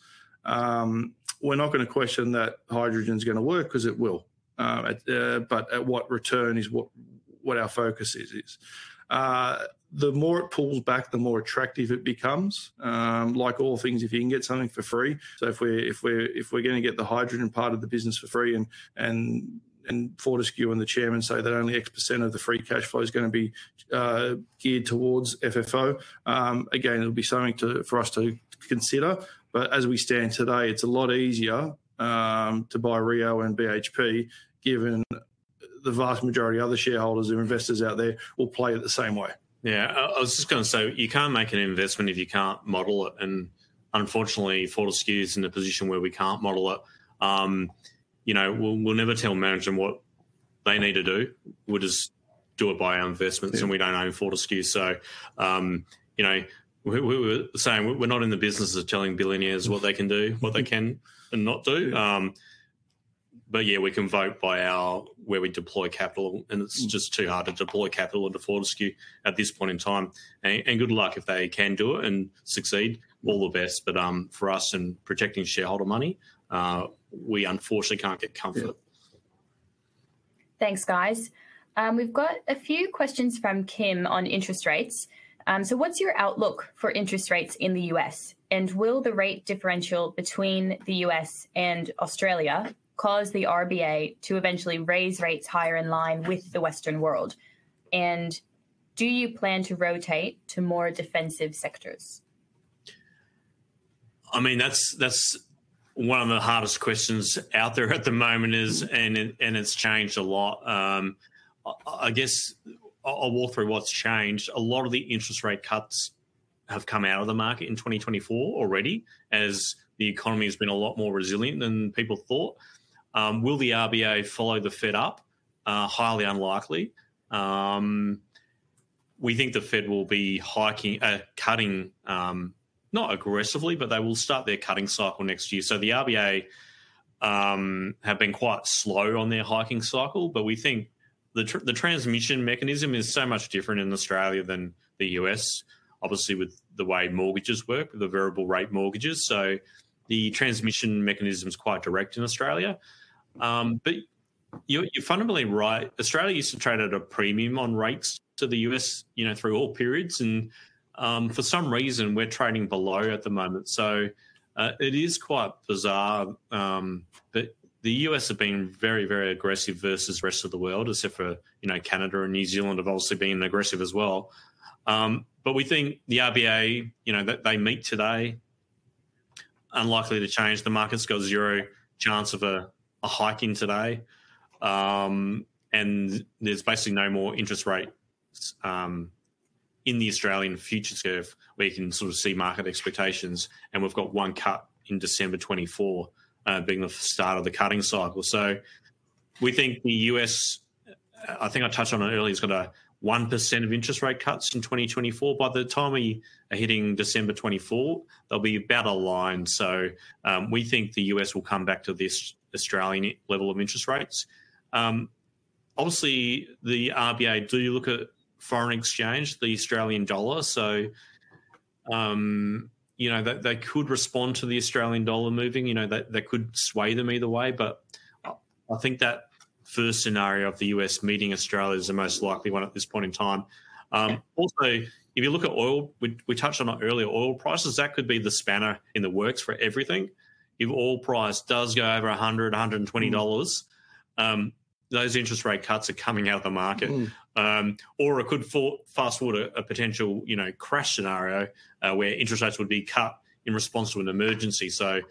We're not gonna question that hydrogen's gonna work, 'cause it will. But at what return is what our focus is. The more it pulls back, the more attractive it becomes. Like all things, if you can get something for free. So if we're gonna get the hydrogen part of the business for free, and Fortescue and the chairman say that only X% of the free cash flow is gonna be geared towards FFO, again, it'll be something to, for us to consider. But as we stand today, it's a lot easier to buy Rio and BHP, given the vast majority of other shareholders or investors out there will play it the same way. Yeah, I was just gonna say, you can't make an investment if you can't model it, and unfortunately, Fortescue's in a position where we can't model it. You know, we'll never tell management what they need to do, we'll just do it by our investments, and we don't own Fortescue. So, you know, we were saying we're not in the business of telling billionaires what they can do, what they can and not do. But yeah, we can vote by our where we deploy capital, and it's just too hard to deploy capital into Fortescue at this point in time. And good luck if they can do it and succeed. All the best, but for us and protecting shareholder money, we unfortunately can't get comfort. Thanks, guys. We've got a few questions from Kim on interest rates. So what's your outlook for interest rates in the US? And will the rate differential between the US and Australia cause the RBA to eventually raise rates higher in line with the Western world? And do you plan to rotate to more defensive sectors? I mean, that's, that's one of the hardest questions out there at the moment, is, and it, and it's changed a lot. I guess I'll walk through what's changed. A lot of the interest rate cuts have come out of the market in 2024 already, as the economy has been a lot more resilient than people thought. Will the RBA follow the Fed up? Highly unlikely. We think the Fed will be hiking, cutting, not aggressively, but they will start their cutting cycle next year. So the RBA have been quite slow on their hiking cycle, but we think the transmission mechanism is so much different in Australia than the U.S., obviously, with the way mortgages work, with the variable rate mortgages, so the transmission mechanism is quite direct in Australia. But you're, you're fundamentally right. Australia used to trade at a premium on rates to the U.S., you know, through all periods, and, for some reason we're trading below at the moment. So, it is quite bizarre, but the U.S. have been very, very aggressive versus the rest of the world, except for, you know, Canada and New Zealand have also been aggressive as well. But we think the RBA, you know, they meet today, unlikely to change. The market's got zero chance of a hiking today. And there's basically no more interest rate in the Australian future curve, where you can sort of see market expectations, and we've got one cut in December 2024, being the start of the cutting cycle. So we think the U.S., I think I touched on it earlier, has got a 1% of interest rate cuts in 2024. By the time we are hitting December 2024, they'll be better aligned. So, we think the U.S. will come back to this Australian level of interest rates. Obviously, the RBA do look at foreign exchange, the Australian dollar, so, you know, they, they could respond to the Australian dollar moving, you know, that, that could sway them either way. But, I think that first scenario of the U.S. meeting Australia is the most likely one at this point in time. Yeah. Also, if you look at oil, we touched on it earlier, oil prices, that could be the spanner in the works for everything. If oil price does go over $100, $120, those interest rate cuts are coming out of the market. Mm. Or it could fast-forward a potential, you know, crash scenario, where interest rates would be cut in response to an emergency. So,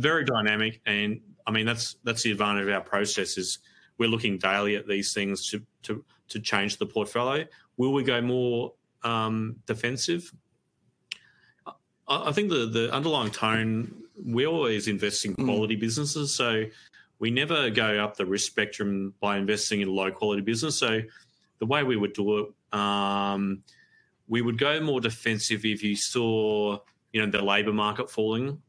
very dynamic, and, I mean, that's, that's the advantage of our processes. We're looking daily at these things to change the portfolio. Will we go more defensive? I think the underlying tone, we always invest in Mm Quality businesses, so we never go up the risk spectrum by investing in low-quality business. So the way we would do it, we would go more defensive if you saw, you know, the labor market falling.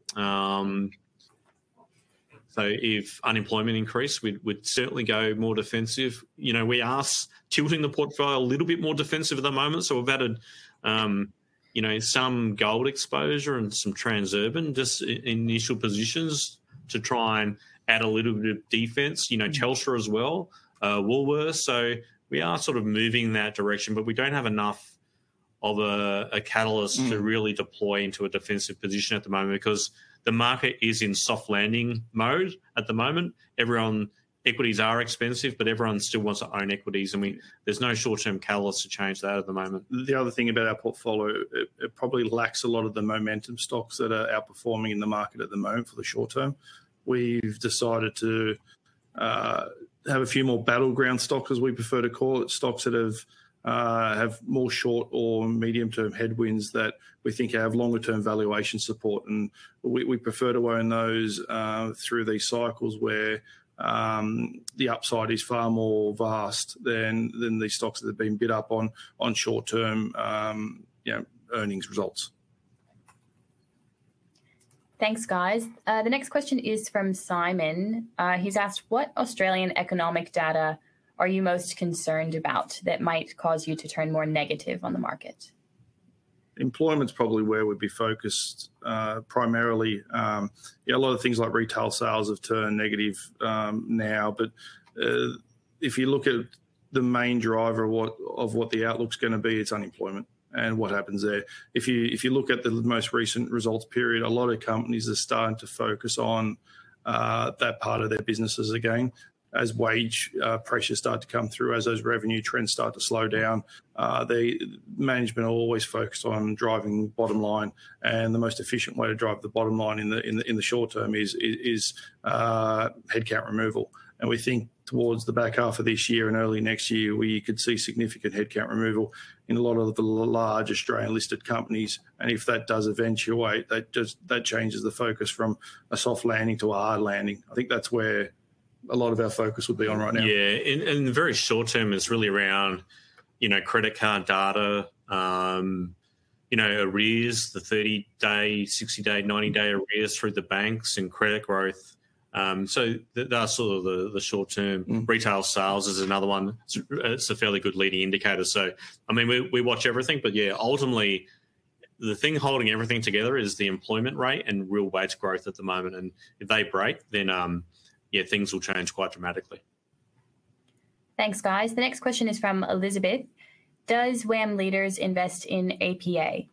So if unemployment increased, we'd, we'd certainly go more defensive. You know, we are tilting the portfolio a little bit more defensive at the moment, so we've added, you know, some gold exposure and some Transurban, just initial positions to try and add a little bit of defense. Mm. You know, Telstra as well, Woolworths, so we are sort of moving in that direction, but we don't have enough of a catalyst- Mm To really deploy into a defensive position at the moment, because the market is in soft landing mode at the moment. Everyone, equities are expensive, but everyone still wants to own equities, I mean, there's no short-term catalyst to change that at the moment. The other thing about our portfolio, it probably lacks a lot of the momentum stocks that are outperforming in the market at the moment for the short term. We've decided to have a few more battleground stocks, as we prefer to call it, stocks that have more short or medium-term headwinds that we think have longer-term valuation support, and we prefer to own those through these cycles where the upside is far more vast than the stocks that have been bid up on short-term, you know, earnings results. Thanks, guys. The next question is from Simon. He's asked: What Australian economic data are you most concerned about that might cause you to turn more negative on the market? Employment is probably where we'd be focused, primarily. Yeah, a lot of things like retail sales have turned negative, now, but if you look at the main driver, what of what the outlook's gonna be, it's unemployment and what happens there. If you, if you look at the most recent results period, a lot of companies are starting to focus on that part of their businesses again, as wage pressures start to come through, as those revenue trends start to slow down. The management are always focused on driving bottom line, and the most efficient way to drive the bottom line in the short term is headcount removal. We think towards the back half of this year and early next year, we could see significant headcount removal in a lot of the large Australian-listed companies, and if that does eventuate, that just, that changes the focus from a soft landing to a hard landing. I think that's where a lot of our focus would be on right now. Yeah, in the very short term, it's really around, you know, credit card data, arrears, the 30-day, 60-day, 90-day arrears through the banks and credit growth. So that's sort of the short term. Mm. Retail sales is another one. It's, it's a fairly good leading indicator. So, I mean, we, we watch everything, but yeah, ultimately, the thing holding everything together is the employment rate and real wage growth at the moment, and if they break, then, yeah, things will change quite dramatically. Thanks, guys. The next question is from Elizabeth: Does WAM Leaders invest in APA?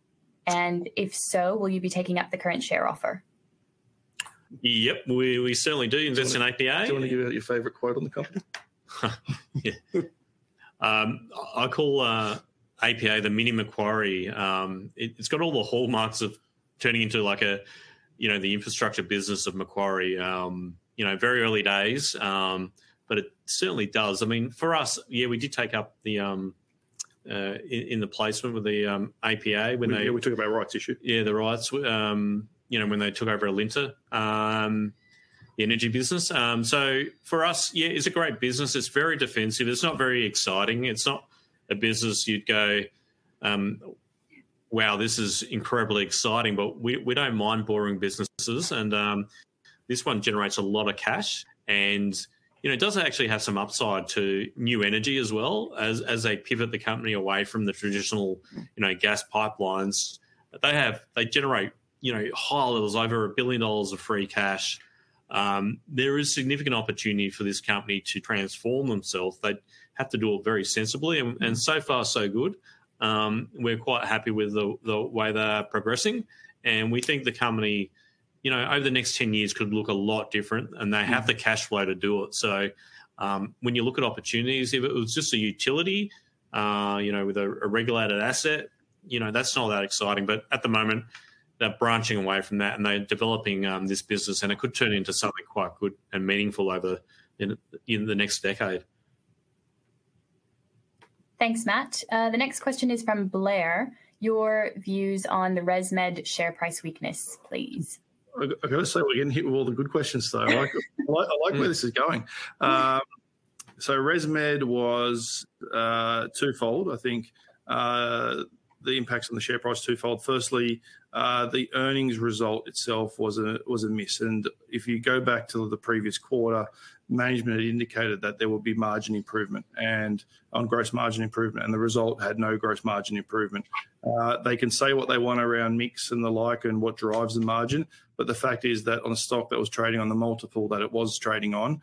And if so, will you be taking up the current share offer? Yep, we certainly do invest in APA. Do you wanna give it your favorite quote on the company? Yeah. I call APA the mini Macquarie. It's got all the hallmarks of turning into like a, you know, the infrastructure business of Macquarie. You know, very early days, but it certainly does. I mean, for us, yeah, we did take up the in the placement with the APA, when they- We, yeah, we talk about rights issue. Yeah, the rights. You know, when they took over Alinta, the energy business. So for us, yeah, it's a great business. It's very defensive. It's not very exciting. It's not a business you'd go, "Wow, this is incredibly exciting!" But we, we don't mind boring businesses, and this one generates a lot of cash, and, you know, it does actually have some upside to new energy as well, as they pivot the company away from the traditional Mm You know, gas pipelines. They have. They generate, you know, high levels, over 1 billion dollars of free cash. There is significant opportunity for this company to transform themselves. They'd have to do it very sensibly, and so far, so good. We're quite happy with the way they are progressing, and we think the company, you know, over the next 10 years, could look a lot different, and they have the cash flow to do it. So, when you look at opportunities, if it was just a utility, you know, with a regulated asset, you know, that's not all that exciting, but at the moment, they're branching away from that, and they're developing this business, and it could turn into something quite good and meaningful over the next decade. Thanks, Matt. The next question is from Blair: "Your views on the ResMed share price weakness, please? I gotta say, we're getting hit with all the good questions today. Yeah, I like, I like where this is going. So ResMed was twofold, I think. The impacts on the share price, twofold. Firstly, the earnings result itself was a miss, and if you go back to the previous quarter, management had indicated that there would be margin improvement and on gross margin improvement, and the result had no gross margin improvement. They can say what they want around mix and the like, and what drives the margin, but the fact is that on a stock that was trading on the multiple that it was trading on,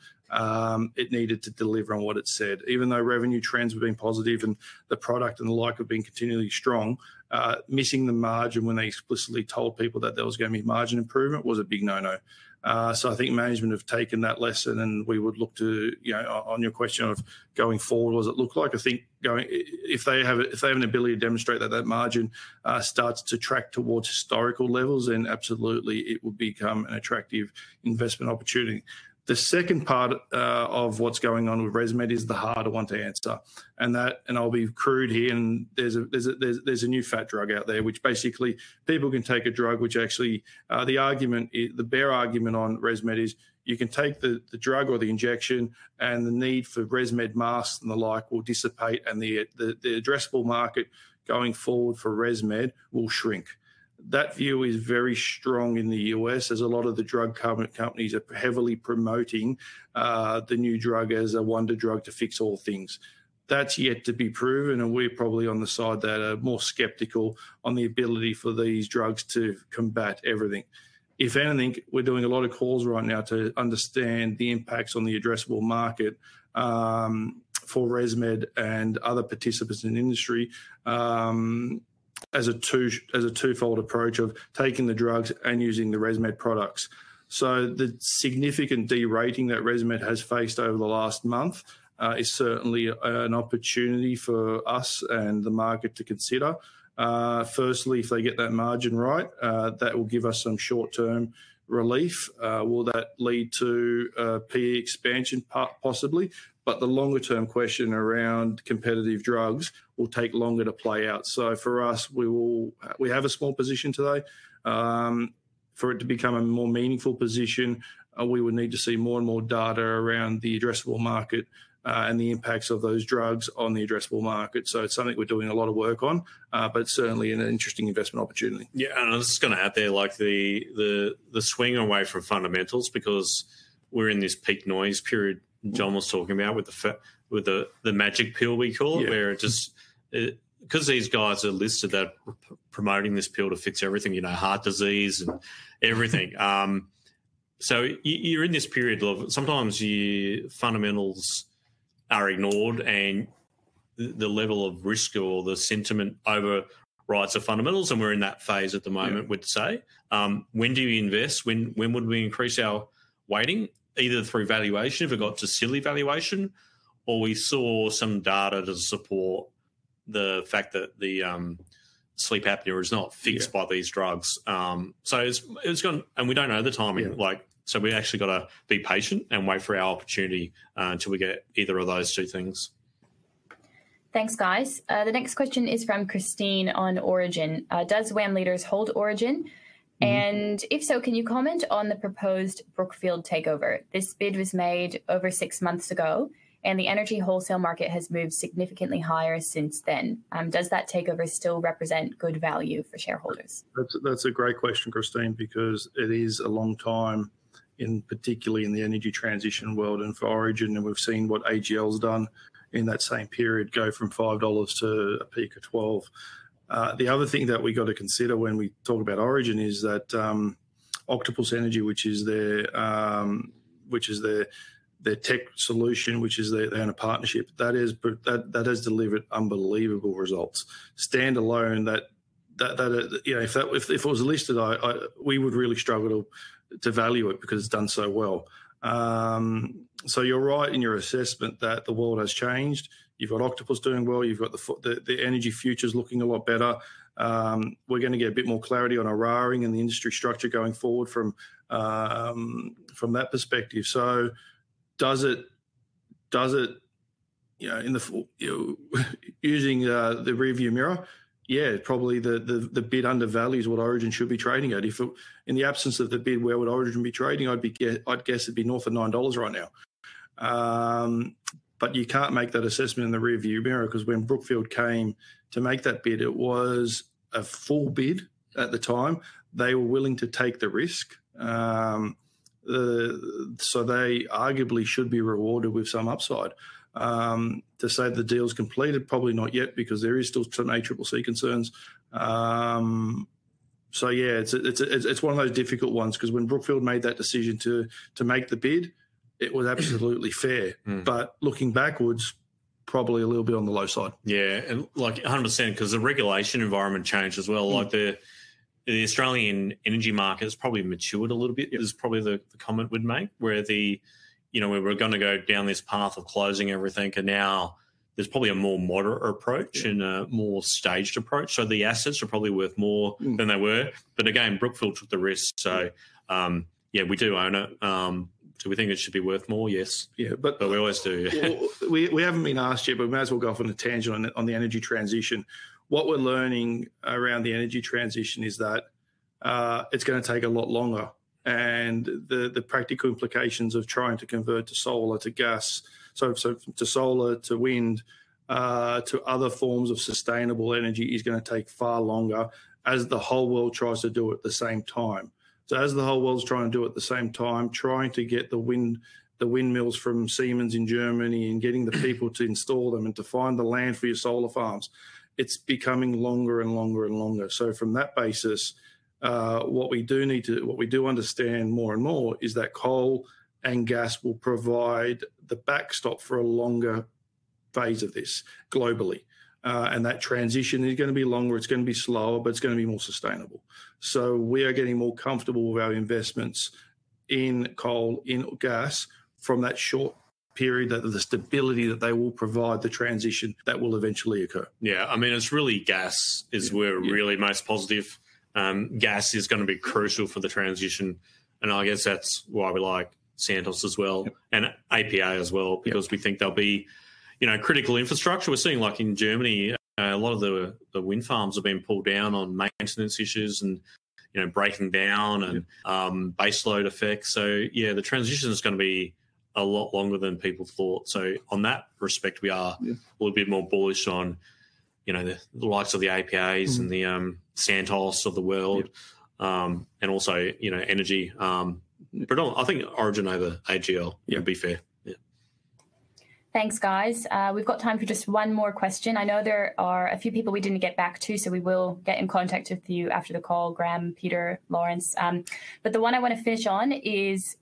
it needed to deliver on what it said. Even though revenue trends were being positive and the product and the like were being continually strong, missing the margin when they explicitly told people that there was gonna be margin improvement, was a big no-no. So I think management have taken that lesson, and we would look to, you know. On your question of going forward, what does it look like? I think going, if they have an ability to demonstrate that that margin starts to track towards historical levels, then absolutely, it would become an attractive investment opportunity. The second part of what's going on with ResMed is the harder one to answer, and that, and I'll be crude here, and there's a new fat drug out there, which basically, people can take a drug which actually, the bare argument on ResMed is, you can take the drug or the injection, and the need for ResMed masks and the like will dissipate, and the addressable market going forward for ResMed will shrink. That view is very strong in the U.S., as a lot of the drug companies are heavily promoting the new drug as a wonder drug to fix all things. That's yet to be proven, and we're probably on the side that are more skeptical on the ability for these drugs to combat everything. If anything, we're doing a lot of calls right now to understand the impacts on the addressable market for ResMed and other participants in the industry as a twofold approach of taking the drugs and using the ResMed products. So the significant de-rating that ResMed has faced over the last month is certainly an opportunity for us and the market to consider. Firstly, if they get that margin right, that will give us some short-term relief. Will that lead to PE expansion? Possibly, but the longer-term question around competitive drugs will take longer to play out. So for us, we have a small position today. For it to become a more meaningful position, we would need to see more and more data around the addressable market, and the impacts of those drugs on the addressable market. So it's something we're doing a lot of work on, but certainly an interesting investment opportunity. Yeah, and I'm just gonna add there, like the swing away from fundamentals, because we're in this peak noise period- Mm John was talking about, with the magic pill, we call it. Yeah. Where it just, 'cause these guys are listed, they're promoting this pill to fix everything, you know, heart disease and everything. So you're in this period of Mm Sometimes your fundamentals are ignored, and the level of risk or the sentiment overrides the fundamentals, and we're in that phase at the moment. Yeah We'd say. When do you invest? When, when would we increase our weighting? Either through valuation, if it got to silly valuation, or we saw some data to support the fact that the sleep apnea is not fixed Yeah By these drugs. So it's, it's gonna. And we don't know the timing. Yeah. Like, so we actually gotta be patient and wait for our opportunity, until we get either of those two things. Thanks, guys. The next question is from Christine on Origin. "Does WAM Leaders hold Origin? And if so, can you comment on the proposed Brookfield takeover? This bid was made over six months ago, and the energy wholesale market has moved significantly higher since then. Does that takeover still represent good value for shareholders? That's a great question, Christine, because it is a long time, in particular in the energy transition world and for Origin, and we've seen what AGL's done in that same period, go from 5 dollars to a peak of 12. The other thing that we've got to consider when we talk about Origin is that, Octopus Energy, which is their tech solution, they own a partnership that has delivered unbelievable results. Standalone, you know, if it was listed, we would really struggle to value it, because it's done so well. So you're right in your assessment that the world has changed. You've got Octopus doing well. You've got the energy future's looking a lot better. We're gonna get a bit more clarity on Orora and the industry structure going forward from that perspective. So, does it, you know, in the future, you know, using the rearview mirror? Yeah, probably the bid undervalues what Origin should be trading at. If it, in the absence of the bid, where would Origin be trading? I'd guess it'd be north of 9 dollars right now. But you can't make that assessment in the rearview mirror, 'cause when Brookfield came to make that bid, it was a full bid at the time. They were willing to take the risk. So they arguably should be rewarded with some upside. To say the deal is completed, probably not yet, because there is still some ACCC concerns. So yeah, it's one of those difficult ones, 'cause when Brookfield made that decision to make the bid, it was absolutely fair. Mm. But looking backwards, probably a little bit on the low side. Yeah, and like, 100%, 'cause the regulation environment changed as well. Mm. Like, the Australian energy market has probably matured a little bit- Yeah Is probably the comment we'd make, where, you know, we were gonna go down this path of closing everything, and now there's probably a more moderate approach. Yeah And a more staged approach. So the assets are probably worth more Mm Than they were. But again, Brookfield took the risk. Yeah. So, yeah, we do own it. Do we think it should be worth more? Yes. Yeah, but But we always do. Well, we haven't been asked yet, but we may as well go off on a tangent on the energy transition. What we're learning around the energy transition is that it's gonna take a lot longer, and the practical implications of trying to convert to solar, to gas, so to solar, to wind, to other forms of sustainable energy, is gonna take far longer as the whole world tries to do it at the same time. So as the whole world is trying to do at the same time, trying to get the windmills from Siemens in Germany, and getting the people to install them, and to find the land for your solar farms, it's becoming longer and longer and longer. So from that basis, what we do need to. What we do understand more and more is that coal and gas will provide the backstop for a longer phase of this, globally. And that transition is gonna be longer, it's gonna be slower, but it's gonna be more sustainable. So we are getting more comfortable with our investments in coal, in gas, from that short period, that the stability that they will provide, the transition that will eventually occur. Yeah. I mean, it's really gas- Yeah Is where we're really most positive. Gas is gonna be crucial for the transition, and I guess that's why we like Santos as well- Yeah And APA as well. Yeah. Because we think they'll be, you know, critical infrastructure. We're seeing, like in Germany, a lot of the wind farms are being pulled down on maintenance issues and, you know, breaking down Yeah And, baseload effects. So yeah, the transition is gonna be a lot longer than people thought. So on that respect, we are Yeah A little bit more bullish on, you know, the likes of the APAs Mm And the Santos of the world. Yeah. And also, you know, energy, but on. I think Origin over AGL Yeah Would be fair. Yeah. Thanks, guys. We've got time for just one more question. I know there are a few people we didn't get back to, so we will get in contact with you after the call, Graham, Peter, Lawrence. But the one I want to finish on is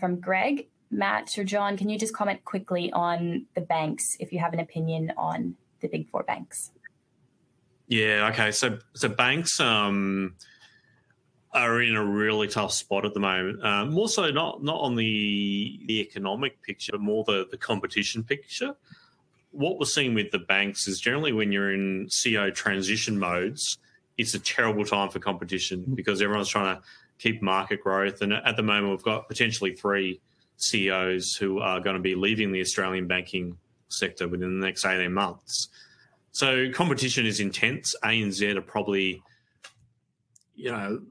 from Greg. Matt or John, can you just comment quickly on the banks, if you have an opinion on the Big Four banks? Yeah, okay. So, banks are in a really tough spot at the moment. More so not on the economic picture, but more the competition picture. What we're seeing with the banks is, generally when you're in CEO transition modes, it's a terrible time for competition. Mm Because everyone's trying to keep market growth, and at the moment, we've got potentially three CEOs who are gonna be leaving the Australian banking sector within the next 18 months. So competition is intense. ANZ are probably, you know,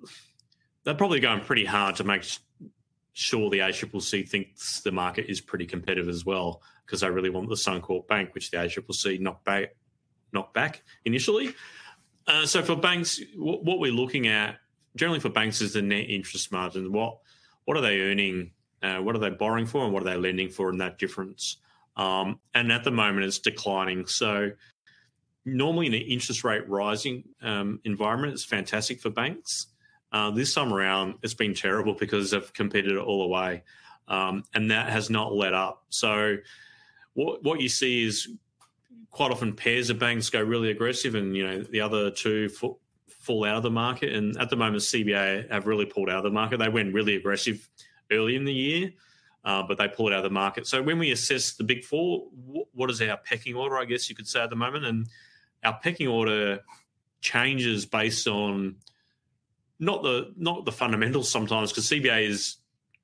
they're probably going pretty hard to make sure the ACCC thinks the market is pretty competitive as well, 'cause they really want the Suncorp Bank, which the ACCC knocked back initially. So for banks, what we're looking at, generally for banks, is the net interest margin. What are they earning? What are they borrowing for, and what are they lending for, and that difference. And at the moment, it's declining. So normally, in an interest rate rising environment, it's fantastic for banks. This time around, it's been terrible because they've competed it all away, and that has not let up. So what you see is quite often pairs of banks go really aggressive and, you know, the other two fall out of the market. And at the moment, CBA have really pulled out of the market. They went really aggressive early in the year, but they pulled out of the market. So when we assess the Big Four, what is our pecking order, I guess you could say, at the moment? And our pecking order changes based on not the fundamentals sometimes, 'cause CBA is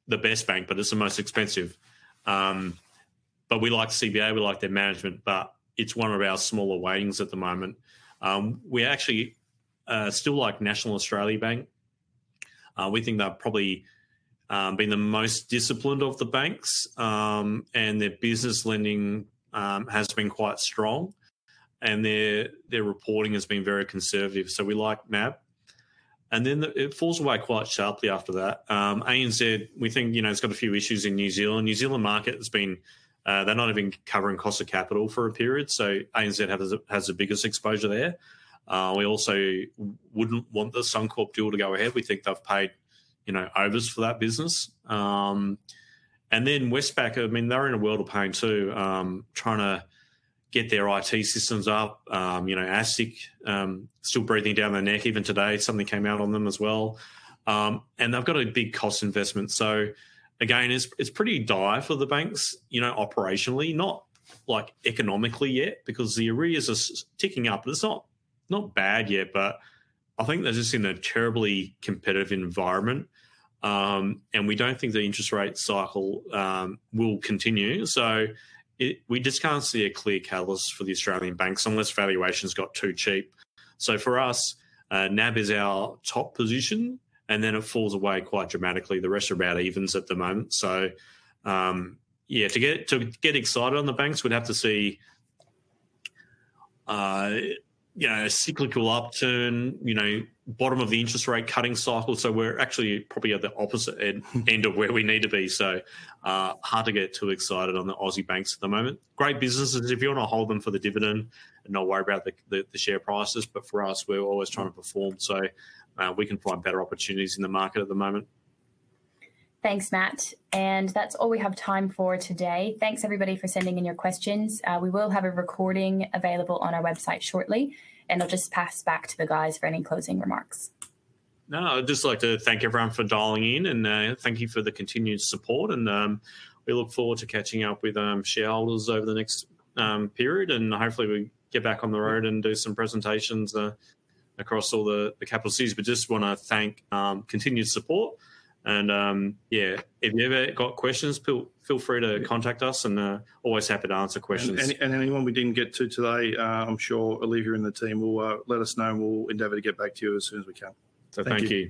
the best bank, but it's the most expensive. But we like CBA, we like their management, but it's one of our smaller weightings at the moment. We actually still like National Australia Bank. We think they've probably been the most disciplined of the banks. And their business lending has been quite strong, and their, their reporting has been very conservative. So we like NAB. And then it falls away quite sharply after that. ANZ, we think, you know, it's got a few issues in New Zealand. New Zealand market has been-- they're not even covering cost of capital for a period, so ANZ has the biggest exposure there. We also wouldn't want the Suncorp deal to go ahead. We think they've paid, you know, overs for that business. And then Westpac, I mean, they're in a world of pain, too, trying to get their IT systems up. You know, ASIC still breathing down their neck. Even today, something came out on them as well. And they've got a big cost investment. So again, it's, it's pretty dire for the banks, you know, operationally, not like economically yet, because the arrears are ticking up. It's not, not bad yet, but I think they're just in a terribly competitive environment. And we don't think the interest rate cycle will continue, so we just can't see a clear catalyst for the Australian banks unless valuations got too cheap. So for us, NAB is our top position, and then it falls away quite dramatically. The rest are about evens at the moment. So, yeah, to get, to get excited on the banks, we'd have to see, you know, a cyclical upturn, you know, bottom of the interest rate cutting cycle. So we're actually probably at the opposite end of where we need to be. So, hard to get too excited on the Aussie banks at the moment. Great businesses, if you want to hold them for the dividend and not worry about the share prices. But for us, we're always trying to perform, so we can find better opportunities in the market at the moment. Thanks, Matt. That's all we have time for today. Thanks, everybody, for sending in your questions. We will have a recording available on our website shortly, and I'll just pass back to the guys for any closing remarks. No, I'd just like to thank everyone for dialing in, and thank you for the continued support, and we look forward to catching up with shareholders over the next period. Hopefully, we can get back on the road and do some presentations across all the capital cities. We just wanna thank continued support, and yeah, if you've ever got questions, feel free to contact us, and always happy to answer questions. And anyone we didn't get to today, I'm sure Olivia and the team will let us know, and we'll endeavor to get back to you as soon as we can. Thank you.